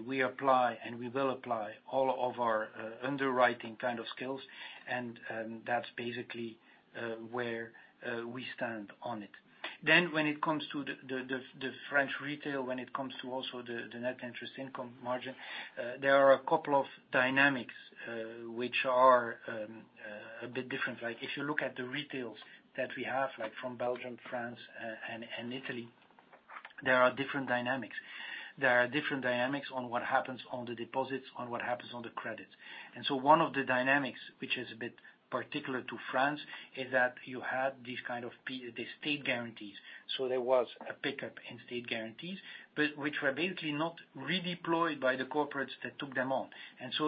We apply and we will apply all of our underwriting kind of skills, and that's basically where we stand on it. When it comes to the French retail, when it comes to also the net interest income margin, there are a couple of dynamics which are a bit different. If you look at the retails that we have from Belgium, France, and Italy, there are different dynamics. There are different dynamics on what happens on the deposits, on what happens on the credits. One of the dynamics, which is a bit particular to France, is that you had these state guarantees. There was a pickup in state guarantees, but which were basically not redeployed by the corporates that took them on.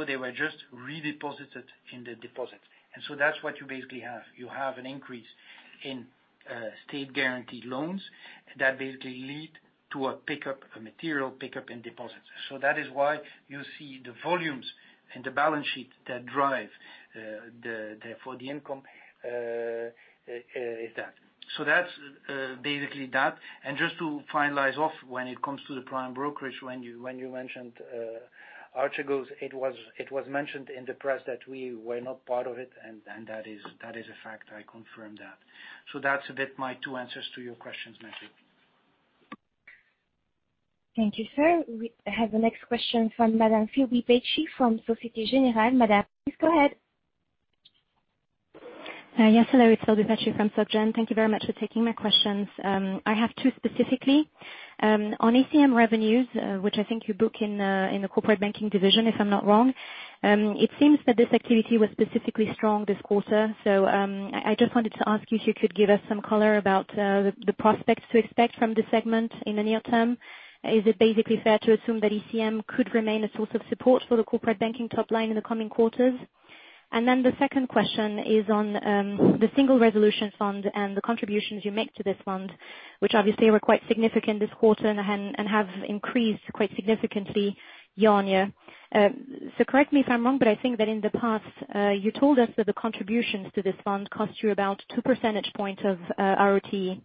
They were just redeposited in the deposits. That's what you basically have. You have an increase in state-guaranteed loans that basically lead to a material pickup in deposits. That is why you see the volumes in the balance sheet that drive for the income is that. That's basically that. Just to finalize off, when it comes to the prime brokerage, when you mentioned Archegos, it was mentioned in the press that we were not part of it, and that is a fact. I confirm that. That's a bit my two answers to your questions, Matthew. Thank you, sir. We have the next question from Madame Phelbé Pace from Société Générale. Madame, please go ahead. Yes, hello. It's Phelbé Pace from SocGen. Thank you very much for taking my questions. I have two specifically. On ECM revenues, which I think you book in the corporate banking division, if I'm not wrong, it seems that this activity was specifically strong this quarter. I just wanted to ask you if you could give us some color about the prospects to expect from the segment in the near term. Is it basically fair to assume that ECM could remain a source of support for the corporate banking top line in the coming quarters? The second question is on the Single Resolution Fund and the contributions you make to this fund, which obviously were quite significant this quarter and have increased quite significantly year-on-year. Correct me if I'm wrong, but I think that in the past, you told us that the contributions to this fund cost you about 2% of ROTE.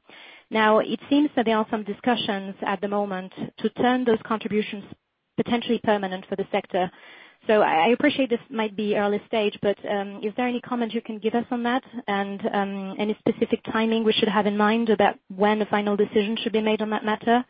I appreciate this might be early stage, but is there any comment you can give us on that? Any specific timing we should have in mind about when a final decision should be made on that matter?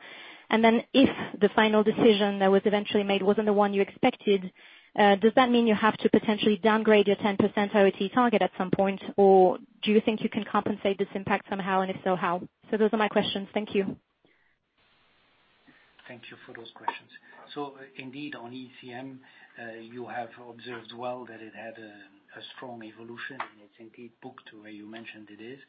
If the final decision that was eventually made wasn't the one you expected, does that mean you have to potentially downgrade your 10% ROTE target at some point? Do you think you can compensate this impact somehow, and if so, how? Those are my questions. Thank you. Thank you for those questions. Indeed, on ECM, you have observed well that it had a strong evolution, and it's indeed booked where you mentioned it is.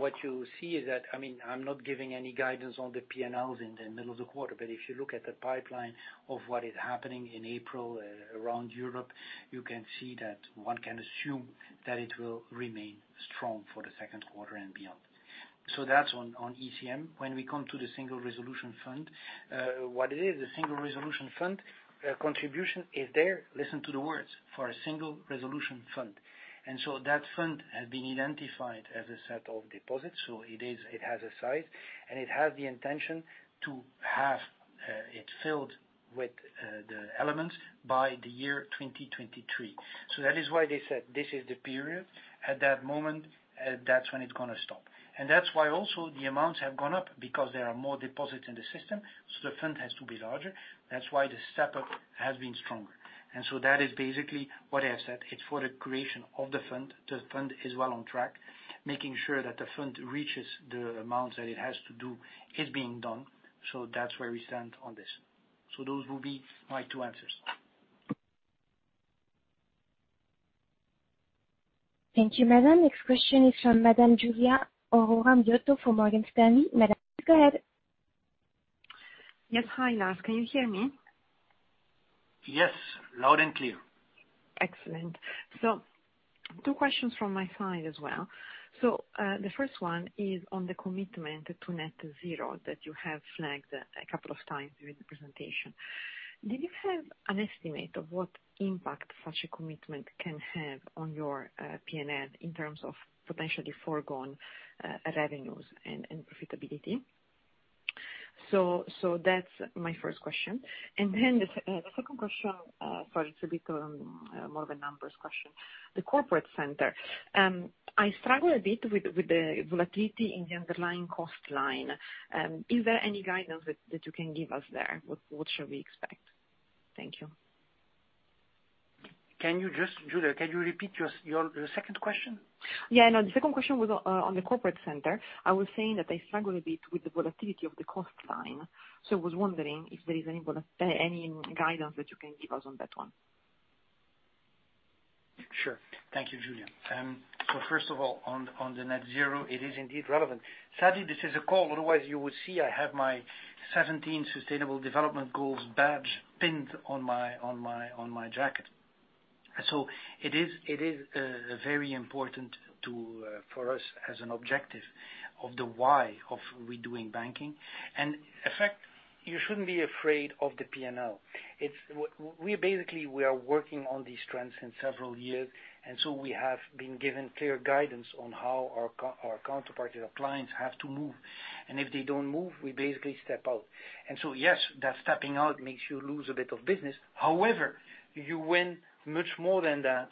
What you see is that, I'm not giving any guidance on the P&L in the middle of the quarter, but if you look at the pipeline of what is happening in April around Europe, you can see that one can assume that it will remain strong for the second quarter and beyond. That's on ECM. When we come to the Single Resolution Fund, what it is, the Single Resolution Fund contribution is there, listen to the words, for a Single Resolution Fund. That fund has been identified as a set of deposits. It has a size, and it has the intention to have it filled with the elements by the year 2023. That is why they said this is the period. At that moment, that's when it's going to stop. That's why also the amounts have gone up because there are more deposits in the system, so the fund has to be larger. That's why the step-up has been stronger. That is basically what I have said. It's for the creation of the fund. The fund is well on track, making sure that the fund reaches the amounts that it has to do is being done. That's where we stand on this. Those will be my two answers. Thank you, Madame. Next question is from Madame Giulia Aurora Miotto from Morgan Stanley. Madame, go ahead. Yes. Hi, Lars. Can you hear me? Yes. Loud and clear. Excellent. Two questions from my side as well. The first one is on the commitment to net zero that you have flagged a couple of times during the presentation. Did you have an estimate of what impact such a commitment can have on your P&L in terms of potentially foregone revenues and profitability? That's my first question. The second question, sorry, it's a bit more of a numbers question. The corporate center. I struggle a bit with the volatility in the underlying cost line. Is there any guidance that you can give us there? What should we expect? Thank you. Giulia, can you repeat your second question? Yeah, no, the second question was on the corporate center. I was saying that I struggle a bit with the volatility of the cost line, so was wondering if there is any guidance that you can give us on that one. Sure. Thank you, Giulia. First of all, on the Net-Zero, it is indeed relevant. Sadly, this is a call, otherwise you would see I have my 17 Sustainable Development Goals badge pinned on my jacket. It is very important for us as an objective of the why of redoing banking. In fact, you shouldn't be afraid of the P&L. We basically are working on these trends since several years, we have been given clear guidance on how our counterparty, our clients, have to move. If they don't move, we basically step out. Yes, that stepping out makes you lose a bit of business. However, you win much more than that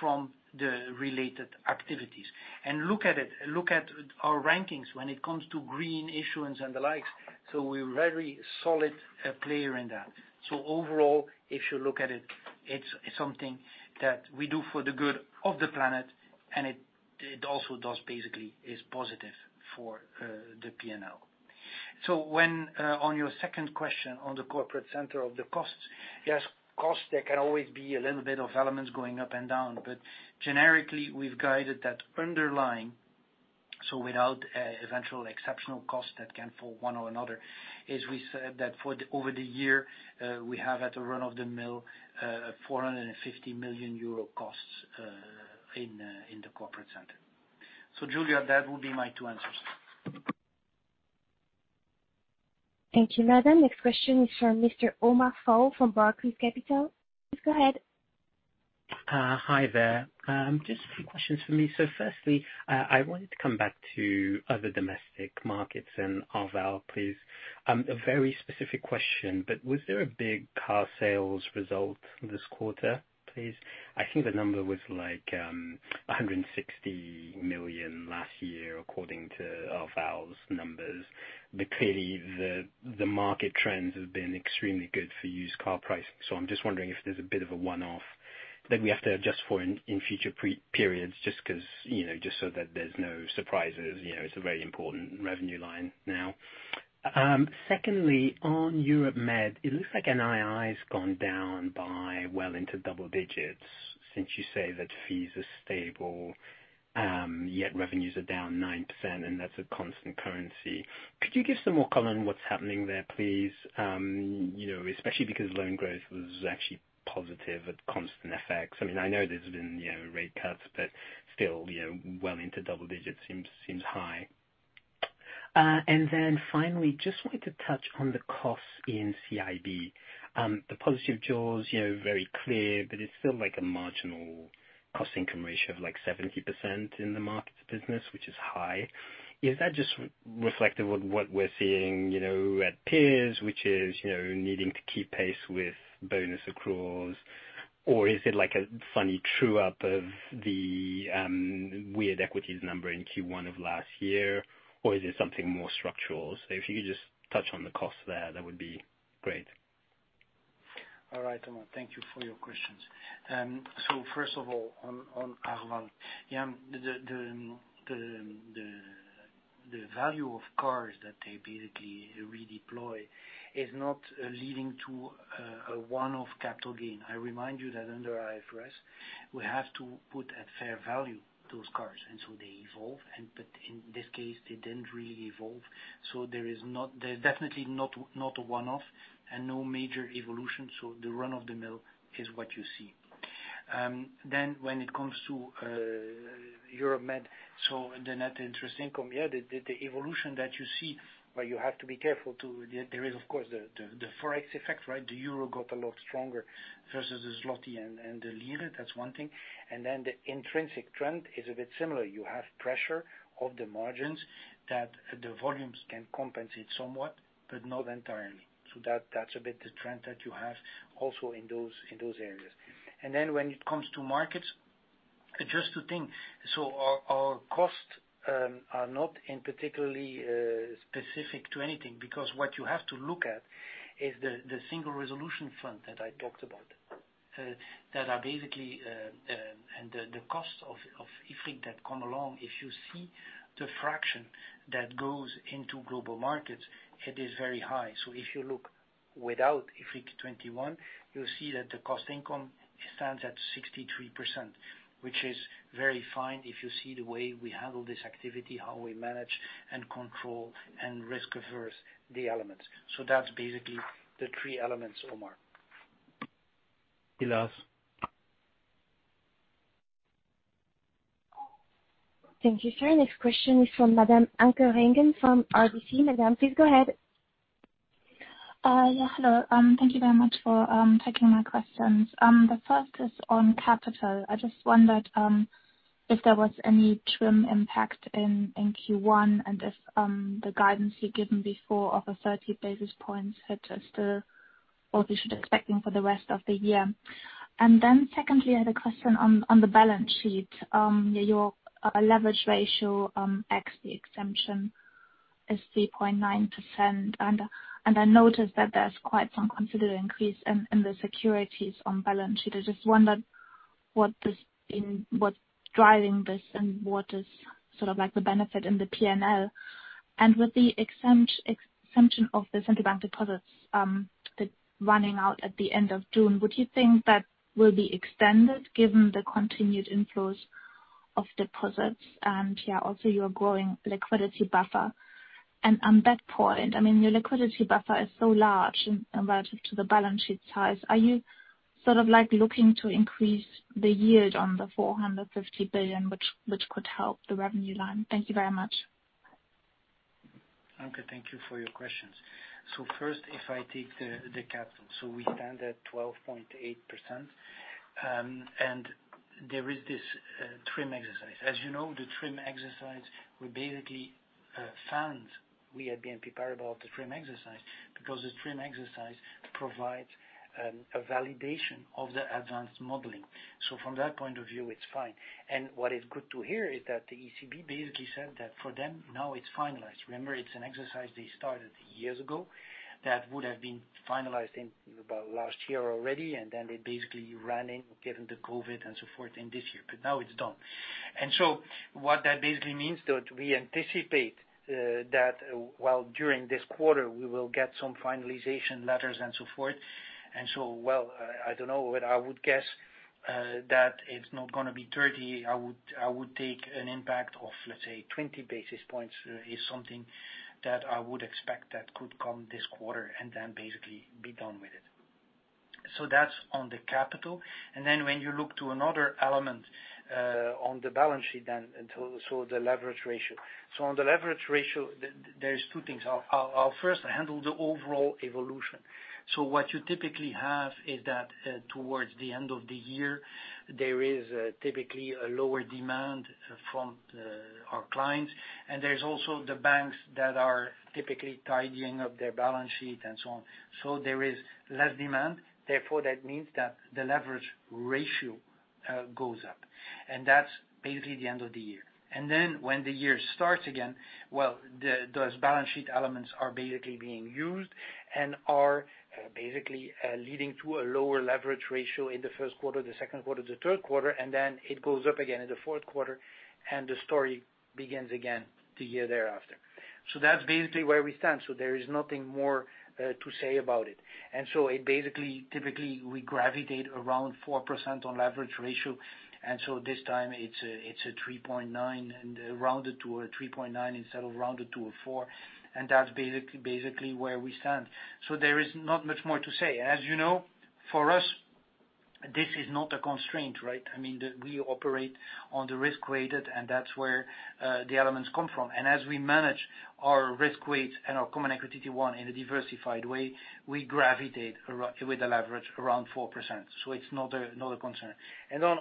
from the related activities. Look at it, look at our rankings when it comes to green issuance and the like. We're a very solid player in that. Overall, if you look at it's something that we do for the good of the planet, and it also does basically is positive for the P&L. On your second question, on the corporate center of the costs, yes, costs, there can always be a little bit of elements going up and down. Generically, we've guided that underlying, so without eventual exceptional costs that can fall one or another, is we said that over the year, we have at a run-of-the-mill, 450 million euro costs in the corporate center. Giulia, that would be my two answers. Thank you, Madam. Next question is from Mr. Omar Fall from Barclays Capital. Please go ahead. Hi there. Just a few questions from me. Firstly, I wanted to come back to other domestic markets and Arval, please. A very specific question, was there a big car sales result this quarter, please? I think the number was like, 160 million last year, according to Arval's numbers. Clearly, the market trends have been extremely good for used car pricing. I'm just wondering if there's a bit of a one-off that we have to adjust for in future periods, just so that there's no surprises. It's a very important revenue line now. Secondly, on Europe-Mediterranean, it looks like NII's gone down by well into double digits since you say that fees are stable, yet revenues are down 9%, and that's at constant currency. Could you give some more color on what's happening there, please? Especially because loan growth was actually positive at constant FX. I know there's been rate cuts, but still, well into double digits seems high. Finally, just wanted to touch on the costs in CIB. The policy of jaws, very clear, but it's still like a marginal cost income ratio of like 70% in the markets business, which is high. Is that just reflective of what we're seeing at peers, which is needing to keep pace with bonus accruals, or is it like a funny true up of the weird equities number in Q1 of last year, or is it something more structural? If you could just touch on the costs there, that would be great. All right, Omar, thank you for your questions. First of all, on Arval. The value of cars that they basically redeploy is not leading to a one-off capital gain. I remind you that under IFRS, we have to put at fair value those cars, they evolve, in this case, they didn't really evolve. They're definitely not a one-off no major evolution, the run-of-the-mill is what you see. When it comes to Euro Med, the net interest income, yeah, the evolution that you see, you have to be careful too, there is of course the Forex effect, right? The euro got a lot stronger versus the zloty and the lira. That's one thing. The intrinsic trend is a bit similar. You have pressure of the margins that the volumes can compensate somewhat, not entirely. That's a bit the trend that you have also in those areas. When it comes to markets, just to think, our costs are not in particularly specific to anything because what you have to look at is the Single Resolution Fund that I talked about. The cost of IFRIC that come along, if you see the fraction that goes into global markets, it is very high. If you look without IFRIC 21, you'll see that the cost income stands at 63%, which is very fine if you see the way we handle this activity, how we manage and control and risk-averse the elements. That's basically the three elements, Omar. Thank you, Sir. Next question is from Madam Anke Reingen from RBC. Madam, please go ahead. Hello. Thank you very much for taking my questions. The first is on capital. I just wondered if there was any TRIM impact in Q1 and if the guidance you'd given before of a 30 basis points hit is still what we should expecting for the rest of the year. Secondly, I had a question on the balance sheet, your leverage ratio, ex the exemption is 3.9%. I noticed that there's quite some considerable increase in the securities on balance sheet. I just wondered what's driving this, and what is the benefit in the P&L? With the exemption of the central bank deposits that's running out at the end of June, would you think that will be extended given the continued inflows of deposits and also your growing liquidity buffer? On that point, your liquidity buffer is so large relative to the balance sheet size. Are you looking to increase the yield on the 450 billion, which could help the revenue line? Thank you very much. Anke, thank you for your questions. First, if I take the capital, so we stand at 12.8%, and there is this TRIM exercise. As you know, the TRIM exercise, we basically found we at BNP Paribas, because the TRIM exercise provides a validation of the advanced modeling. From that point of view, it's fine. What is good to hear is that the ECB basically said that for them now it's finalized. Remember, it's an exercise they started years ago that would have been finalized in about last year already, and then they basically ran in, given the COVID and so forth in this year. Now it's done. What that basically means, though, we anticipate that while during this quarter, we will get some finalization letters and so forth, and so, well, I don't know, but I would guess that it's not going to be 30. I would take an impact of, let's say, 20 basis points, is something that I would expect that could come this quarter and then basically be done with it. That's on the capital. When you look to another element on the balance sheet then, so the leverage ratio. On the leverage ratio, there's two things. I'll first handle the overall evolution. What you typically have is that towards the end of the year, there is typically a lower demand from our clients, and there's also the banks that are typically tidying up their balance sheet and so on. There is less demand, therefore, that means that the leverage ratio goes up. That's basically the end of the year. When the year starts again, well, those balance sheet elements are basically being used and are basically leading to a lower leverage ratio in the first quarter, the second quarter, the third quarter, and then it goes up again in the fourth quarter, and the story begins again the year thereafter. That's basically where we stand. There is nothing more to say about it. It basically, typically, we gravitate around 4% on leverage ratio, and this time it's a 3.9% and rounded to a 3.9% instead of rounded to a 4%. That's basically where we stand. There is not much more to say. As you know, for us, this is not a constraint, right? We operate on the risk-weighted, and that's where the elements come from. As we manage our risk weights and our CET1 in a diversified way, we gravitate with the leverage around 4%. It's not a concern.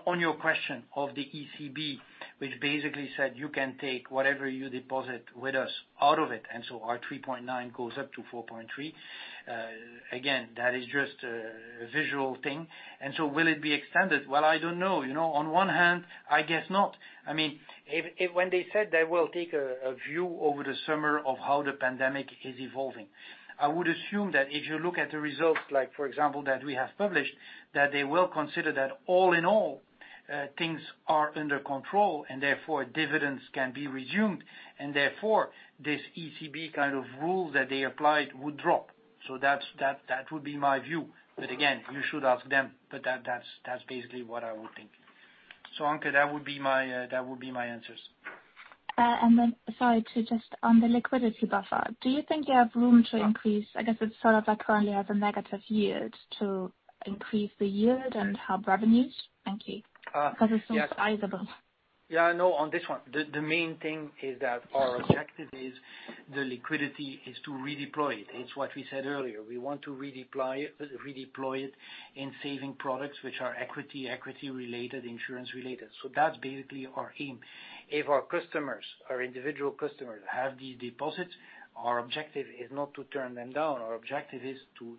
On your question of the ECB, which basically said you can take whatever you deposit with us out of it, and so our 3.9% goes up to 4.3%. Again, that is just a visual thing. Will it be extended? Well, I don't know. On one hand, I guess not. When they said they will take a view over the summer of how the pandemic is evolving, I would assume that if you look at the results, like for example, that we have published, that they will consider that all in all, things are under control, and therefore dividends can be resumed, and therefore this ECB kind of rules that they applied would drop. That would be my view. Again, you should ask them. That's basically what I would think. Anke, that would be my answers. Sorry, to just on the liquidity buffer, do you think you have room to increase? I guess it's sort of like currently as a negative yield to increase the yield and help revenues. Thank you. Because it seems sizable. Yeah, no, on this one, the main thing is that our objective is the liquidity is to redeploy it. It's what we said earlier. We want to redeploy it in saving products which are equity-related, insurance-related. That's basically our aim. If our customers, our individual customers, have these deposits, our objective is not to turn them down. Our objective is to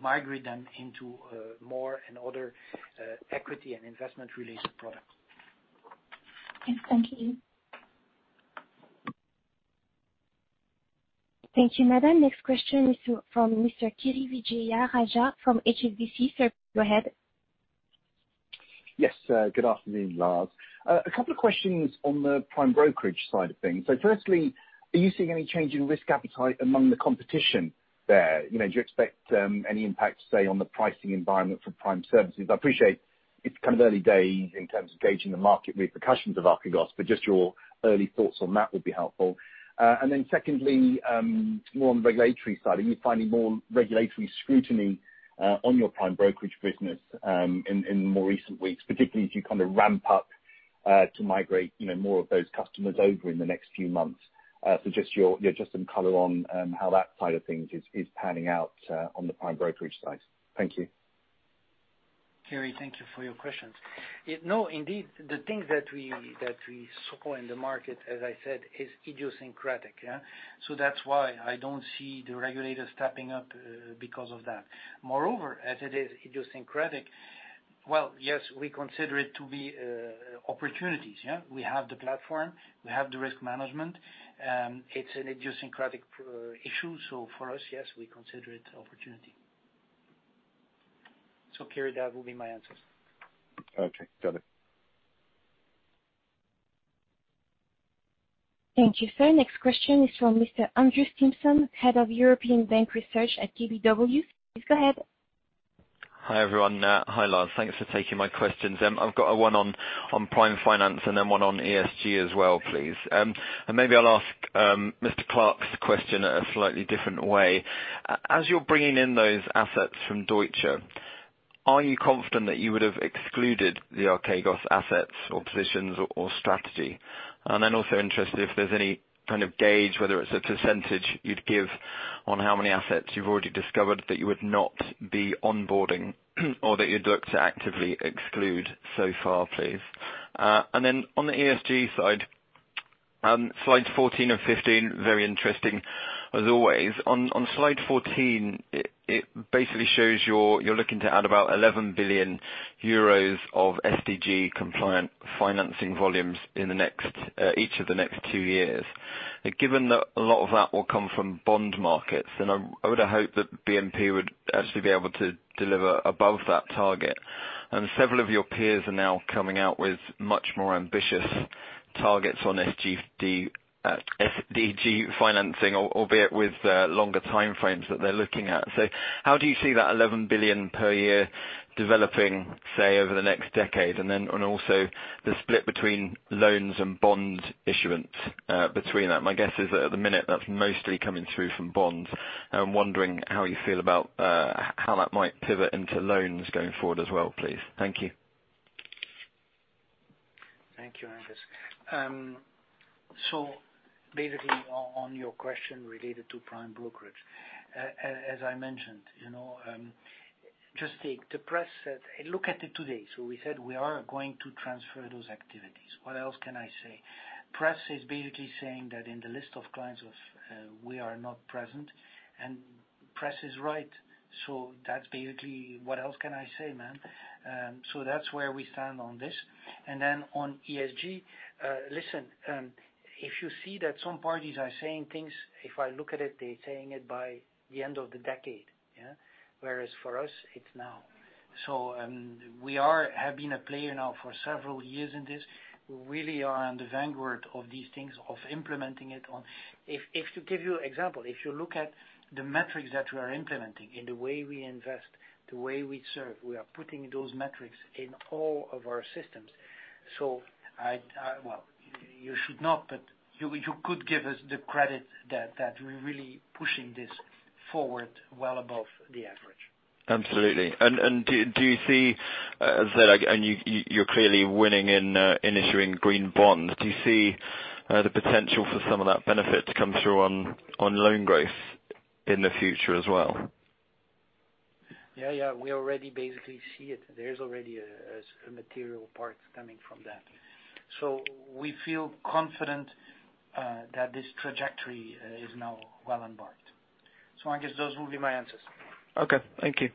migrate them into more and other equity and investment-related products. Yes. Thank you. Thank you, madam. Next question is from Mr. Kiri Vijayarajah from HSBC. Sir, go ahead. Yes. Good afternoon, Lars. A couple of questions on the prime brokerage side of things. Firstly, are you seeing any change in risk appetite among the competition there? Do you expect any impact, say, on the pricing environment for prime services? I appreciate it's kind of early days in terms of gauging the market repercussions of Archegos, just your early thoughts on that would be helpful. Secondly, more on the regulatory side, are you finding more regulatory scrutiny on your prime brokerage business in more recent weeks, particularly as you kind of ramp up to migrate more of those customers over in the next few months? Just some color on how that side of things is panning out on the prime brokerage side. Thank you. Kiri, thank you for your questions. No, indeed, the things that we saw in the market, as I said, is idiosyncratic. That's why I don't see the regulators stepping up because of that. Moreover, as it is idiosyncratic. Well, yes, we consider it to be opportunities, yeah. We have the platform, we have the risk management. It's an idiosyncratic issue. For us, yes, we consider it opportunity. Kiri, that will be my answers. Okay, got it. Thank you, sir. Next question is from Mr. Andrew Stimpson, Head of European Bank Research at KBW. Please go ahead. Hi, everyone. Hi, Lars. Thanks for taking my questions. I've got one on Prime Finance. Then one on ESG as well, please. Maybe I'll ask Mr. Clark's question a slightly different way. As you're bringing in those assets from Deutsche Bank, are you confident that you would have excluded the Archegos Capital Management assets or positions or strategy? Then also interested if there's any kind of gauge, whether it's a percentage you'd give on how many assets you've already discovered that you would not be onboarding or that you'd look to actively exclude so far, please. Then on the ESG side, slides 14 and 15, very interesting as always. On slide 14, it basically shows you're looking to add about 11 billion euros of SDG compliant financing volumes in each of the next two years. Given that a lot of that will come from bond markets, and I would hope that BNP would actually be able to deliver above that target. Several of your peers are now coming out with much more ambitious targets on SDG financing, albeit with longer time frames that they're looking at. How do you see that 11 billion per year developing, say, over the next decade? Then, and also the split between loans and bond issuance between them. My guess is that at the minute, that's mostly coming through from bonds. I'm wondering how you feel about how that might pivot into loans going forward as well, please. Thank you. Thank you, Andrew. Basically on your question related to prime brokerage, as I mentioned, just take the press said Look at it today. We said we are going to transfer those activities. What else can I say? Press is basically saying that in the list of clients, we are not present, and press is right. That's basically what else can I say, man? That's where we stand on this. On ESG, listen, if you see that some parties are saying things, if I look at it, they're saying it by the end of the decade. Whereas for us, it's now. We have been a player now for several years in this. We really are on the vanguard of these things, of implementing it on. If to give you example, if you look at the metrics that we are implementing in the way we invest, the way we serve, we are putting those metrics in all of our systems. Well, you should not, but you could give us the credit that we're really pushing this forward well above the average. Absolutely. Do you see, and you're clearly winning in issuing green bonds. Do you see the potential for some of that benefit to come through on loan growth in the future as well? Yeah. We already basically see it. There is already a material part coming from that. We feel confident that this trajectory is now well embarked. I guess those will be my answers. Okay. Thank you.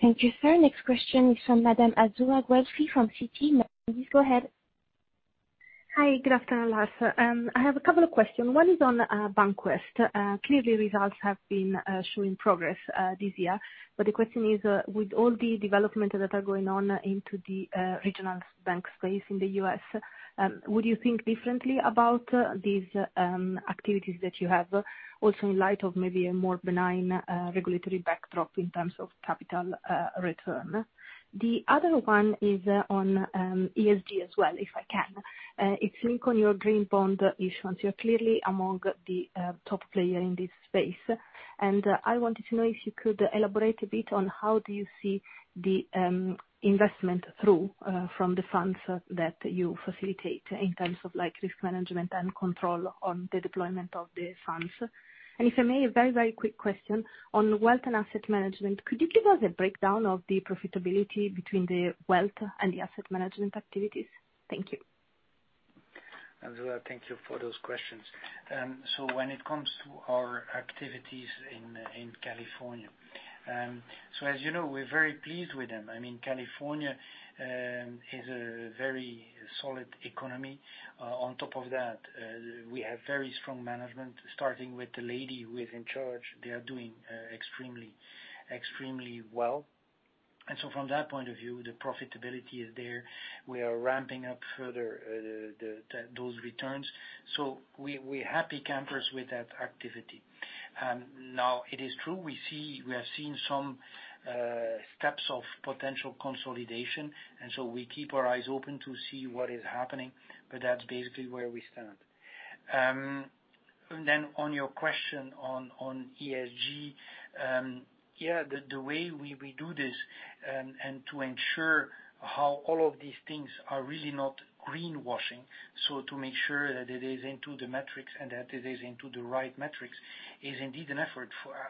Thank you, sir. Next question is from Madame Azzurra Guelfi from Citi. Please go ahead. Hi. Good afternoon, Lars. I have a couple of questions. One is on BancWest. Clearly, results have been showing progress this year. The question is, with all the development that are going on into the regional bank space in the U.S., would you think differently about these activities that you have? Also in light of maybe a more benign regulatory backdrop in terms of capital return. The other one is on ESG as well, if I can. It's linked on your green bond issuance. You're clearly among the top player in this space. I wanted to know if you could elaborate a bit on how do you see the investment through from the funds that you facilitate in terms of risk management and control on the deployment of the funds. If I may, a very quick question on wealth and asset management. Could you give us a breakdown of the profitability between the wealth and the asset management activities? Thank you. Azzurra, thank you for those questions. When it comes to our activities in California. As you know, we're very pleased with them. California is a very solid economy. On top of that, we have very strong management, starting with the lady who is in charge. They are doing extremely well. From that point of view, the profitability is there. We are ramping up further those returns. We're happy campers with that activity. Now it is true, we have seen some steps of potential consolidation, and so we keep our eyes open to see what is happening, but that's basically where we stand. On your question on ESG. Yeah, the way we do this, and to ensure how all of these things are really not greenwashing. To make sure that it is into the metrics and that it is into the right metrics is indeed an effort.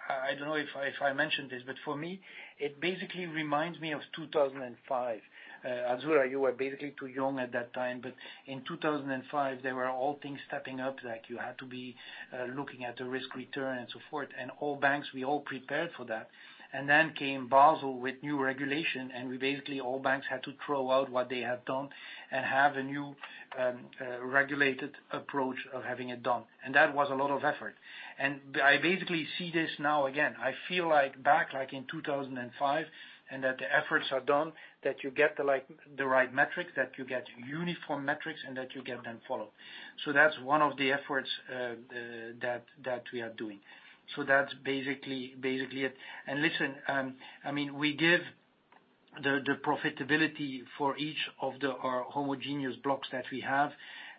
I don't know if I mentioned this, but for me, it basically reminds me of 2005. Azzurra, you were basically too young at that time, but in 2005, there were all things stepping up, like you had to be looking at the risk-return and so forth. All banks, we all prepared for that. Then came Basel with new regulation, and basically all banks had to throw out what they had done and have a new, regulated approach of having it done. That was a lot of effort. I basically see this now again. I feel like back, like in 2005, and that the efforts are done, that you get the right metrics, and that you get uniform metrics, and that you get them followed. That's one of the efforts that we are doing. That's basically it. Listen, we give the profitability for each of the homogeneous blocks that we have,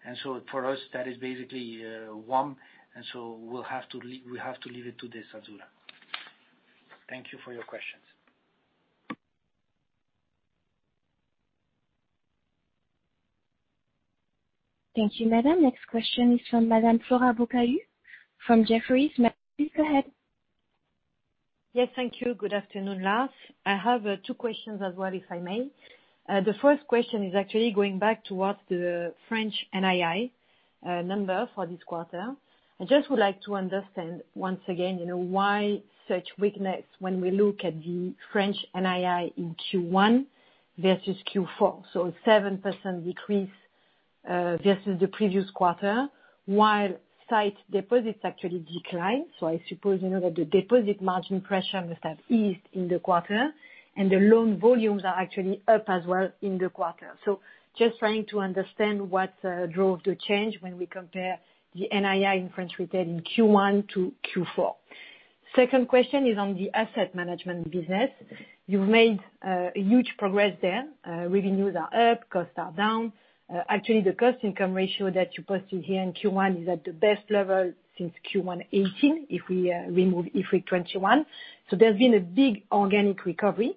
and so for us, that is basically one, and so we have to leave it to this, Azzurra. Thank you for your questions. Thank you, madam. Next question is from Madam Flora Bocahut from Jefferies. Ma'am, please go ahead. Yes, thank you. Good afternoon, Lars. I have two questions as well, if I may. The first question is actually going back towards the French NII number for this quarter. I just would like to understand, once again, why such weakness when we look at the French NII in Q1 versus Q4. A 7% decrease versus the previous quarter while sight deposits actually decline. I suppose that the deposit margin pressure must have eased in the quarter, and the loan volumes are actually up as well in the quarter. Just trying to understand what drove the change when we compare the NII in French retail in Q1 to Q4. Second question is on the asset management business. You've made a huge progress there. Revenues are up, costs are down. Actually, the cost income ratio that you posted here in Q1 is at the best level since Q1 2018, if we remove IFRIC 21. There's been a big organic recovery.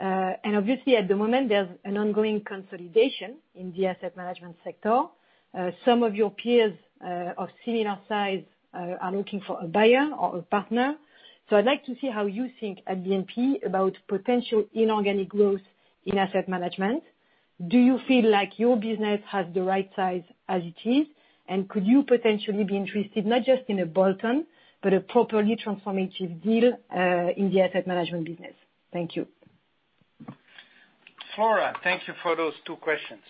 Obviously at the moment, there's an ongoing consolidation in the asset management sector. Some of your peers of similar size are looking for a buyer or a partner. I'd like to see how you think at BNP about potential inorganic growth in asset management. Do you feel like your business has the right size as it is? Could you potentially be interested, not just in a bolt-on, but a properly transformative deal, in the asset management business? Thank you. Flora, thank you for those two questions.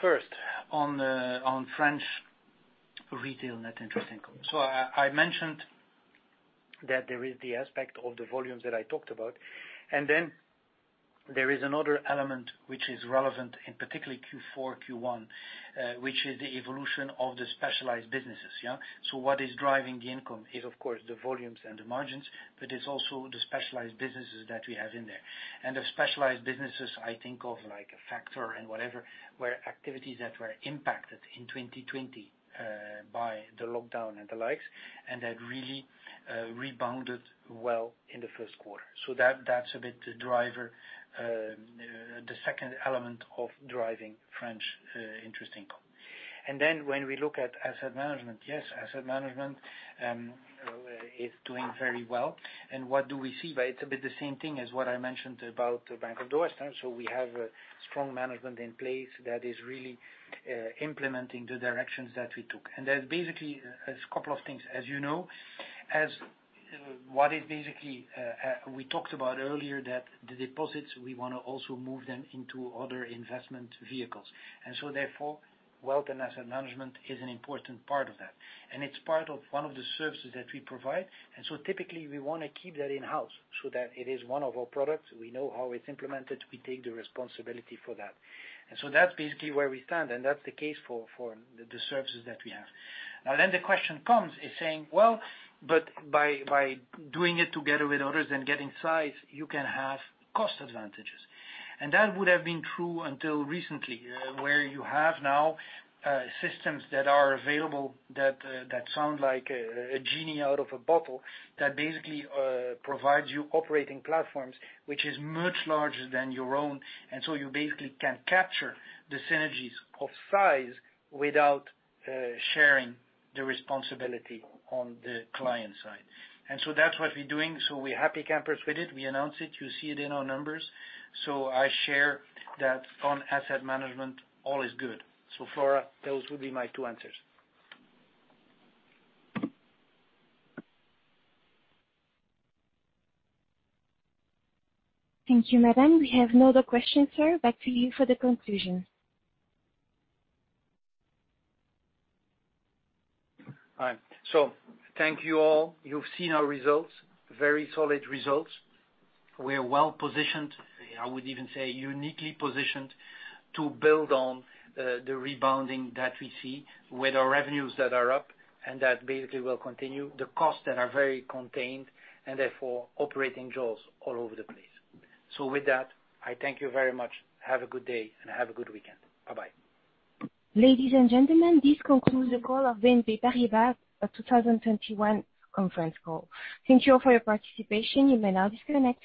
First, on French retail net interest income. I mentioned that there is the aspect of the volumes that I talked about. There is another element which is relevant in particularly Q4, Q1, which is the evolution of the specialized businesses. What is driving the income is of course the volumes and the margins. It is also the specialized businesses that we have in there. The specialized businesses, I think of like a factor and whatever, were activities that were impacted in 2020 by the lockdown and the likes. That really rebounded well in the first quarter. That is a bit the driver, the second element of driving French interest income. When we look at asset management, yes, asset management is doing very well. What do we see? It's a bit the same thing as what I mentioned about Bank of the West. We have a strong management in place that is really implementing the directions that we took. There's basically a couple of things. As you know, we talked about earlier that the deposits, we want to also move them into other investment vehicles. Therefore, wealth and asset management is an important part of that. It's part of one of the services that we provide, and so typically we want to keep that in-house so that it is one of our products. We know how it's implemented. We take the responsibility for that. That's basically where we stand, and that's the case for the services that we have. The question comes, is saying, well, but by doing it together with others and getting size, you can have cost advantages. That would have been true until recently, where you have now systems that are available that sound like a genie out of a bottle that basically provides you operating platforms, which is much larger than your own. You basically can capture the synergies of size without sharing the responsibility on the client side. That's what we're doing. We're happy campers with it. We announced it. You see it in our numbers. I share that on asset management, all is good. Flora, those would be my two answers. Thank you, madam. We have no other questions, sir. Back to you for the conclusion. All right. Thank you all. You've seen our results, very solid results. We're well-positioned, I would even say uniquely positioned, to build on the rebounding that we see with our revenues that are up and that basically will continue, the costs that are very contained, and therefore operating jaws all over the place. With that, I thank you very much. Have a good day, and have a good weekend. Bye-bye. Ladies and gentlemen, this concludes the call of BNP Paribas' 2021 conference call. Thank you all for your participation. You may now disconnect.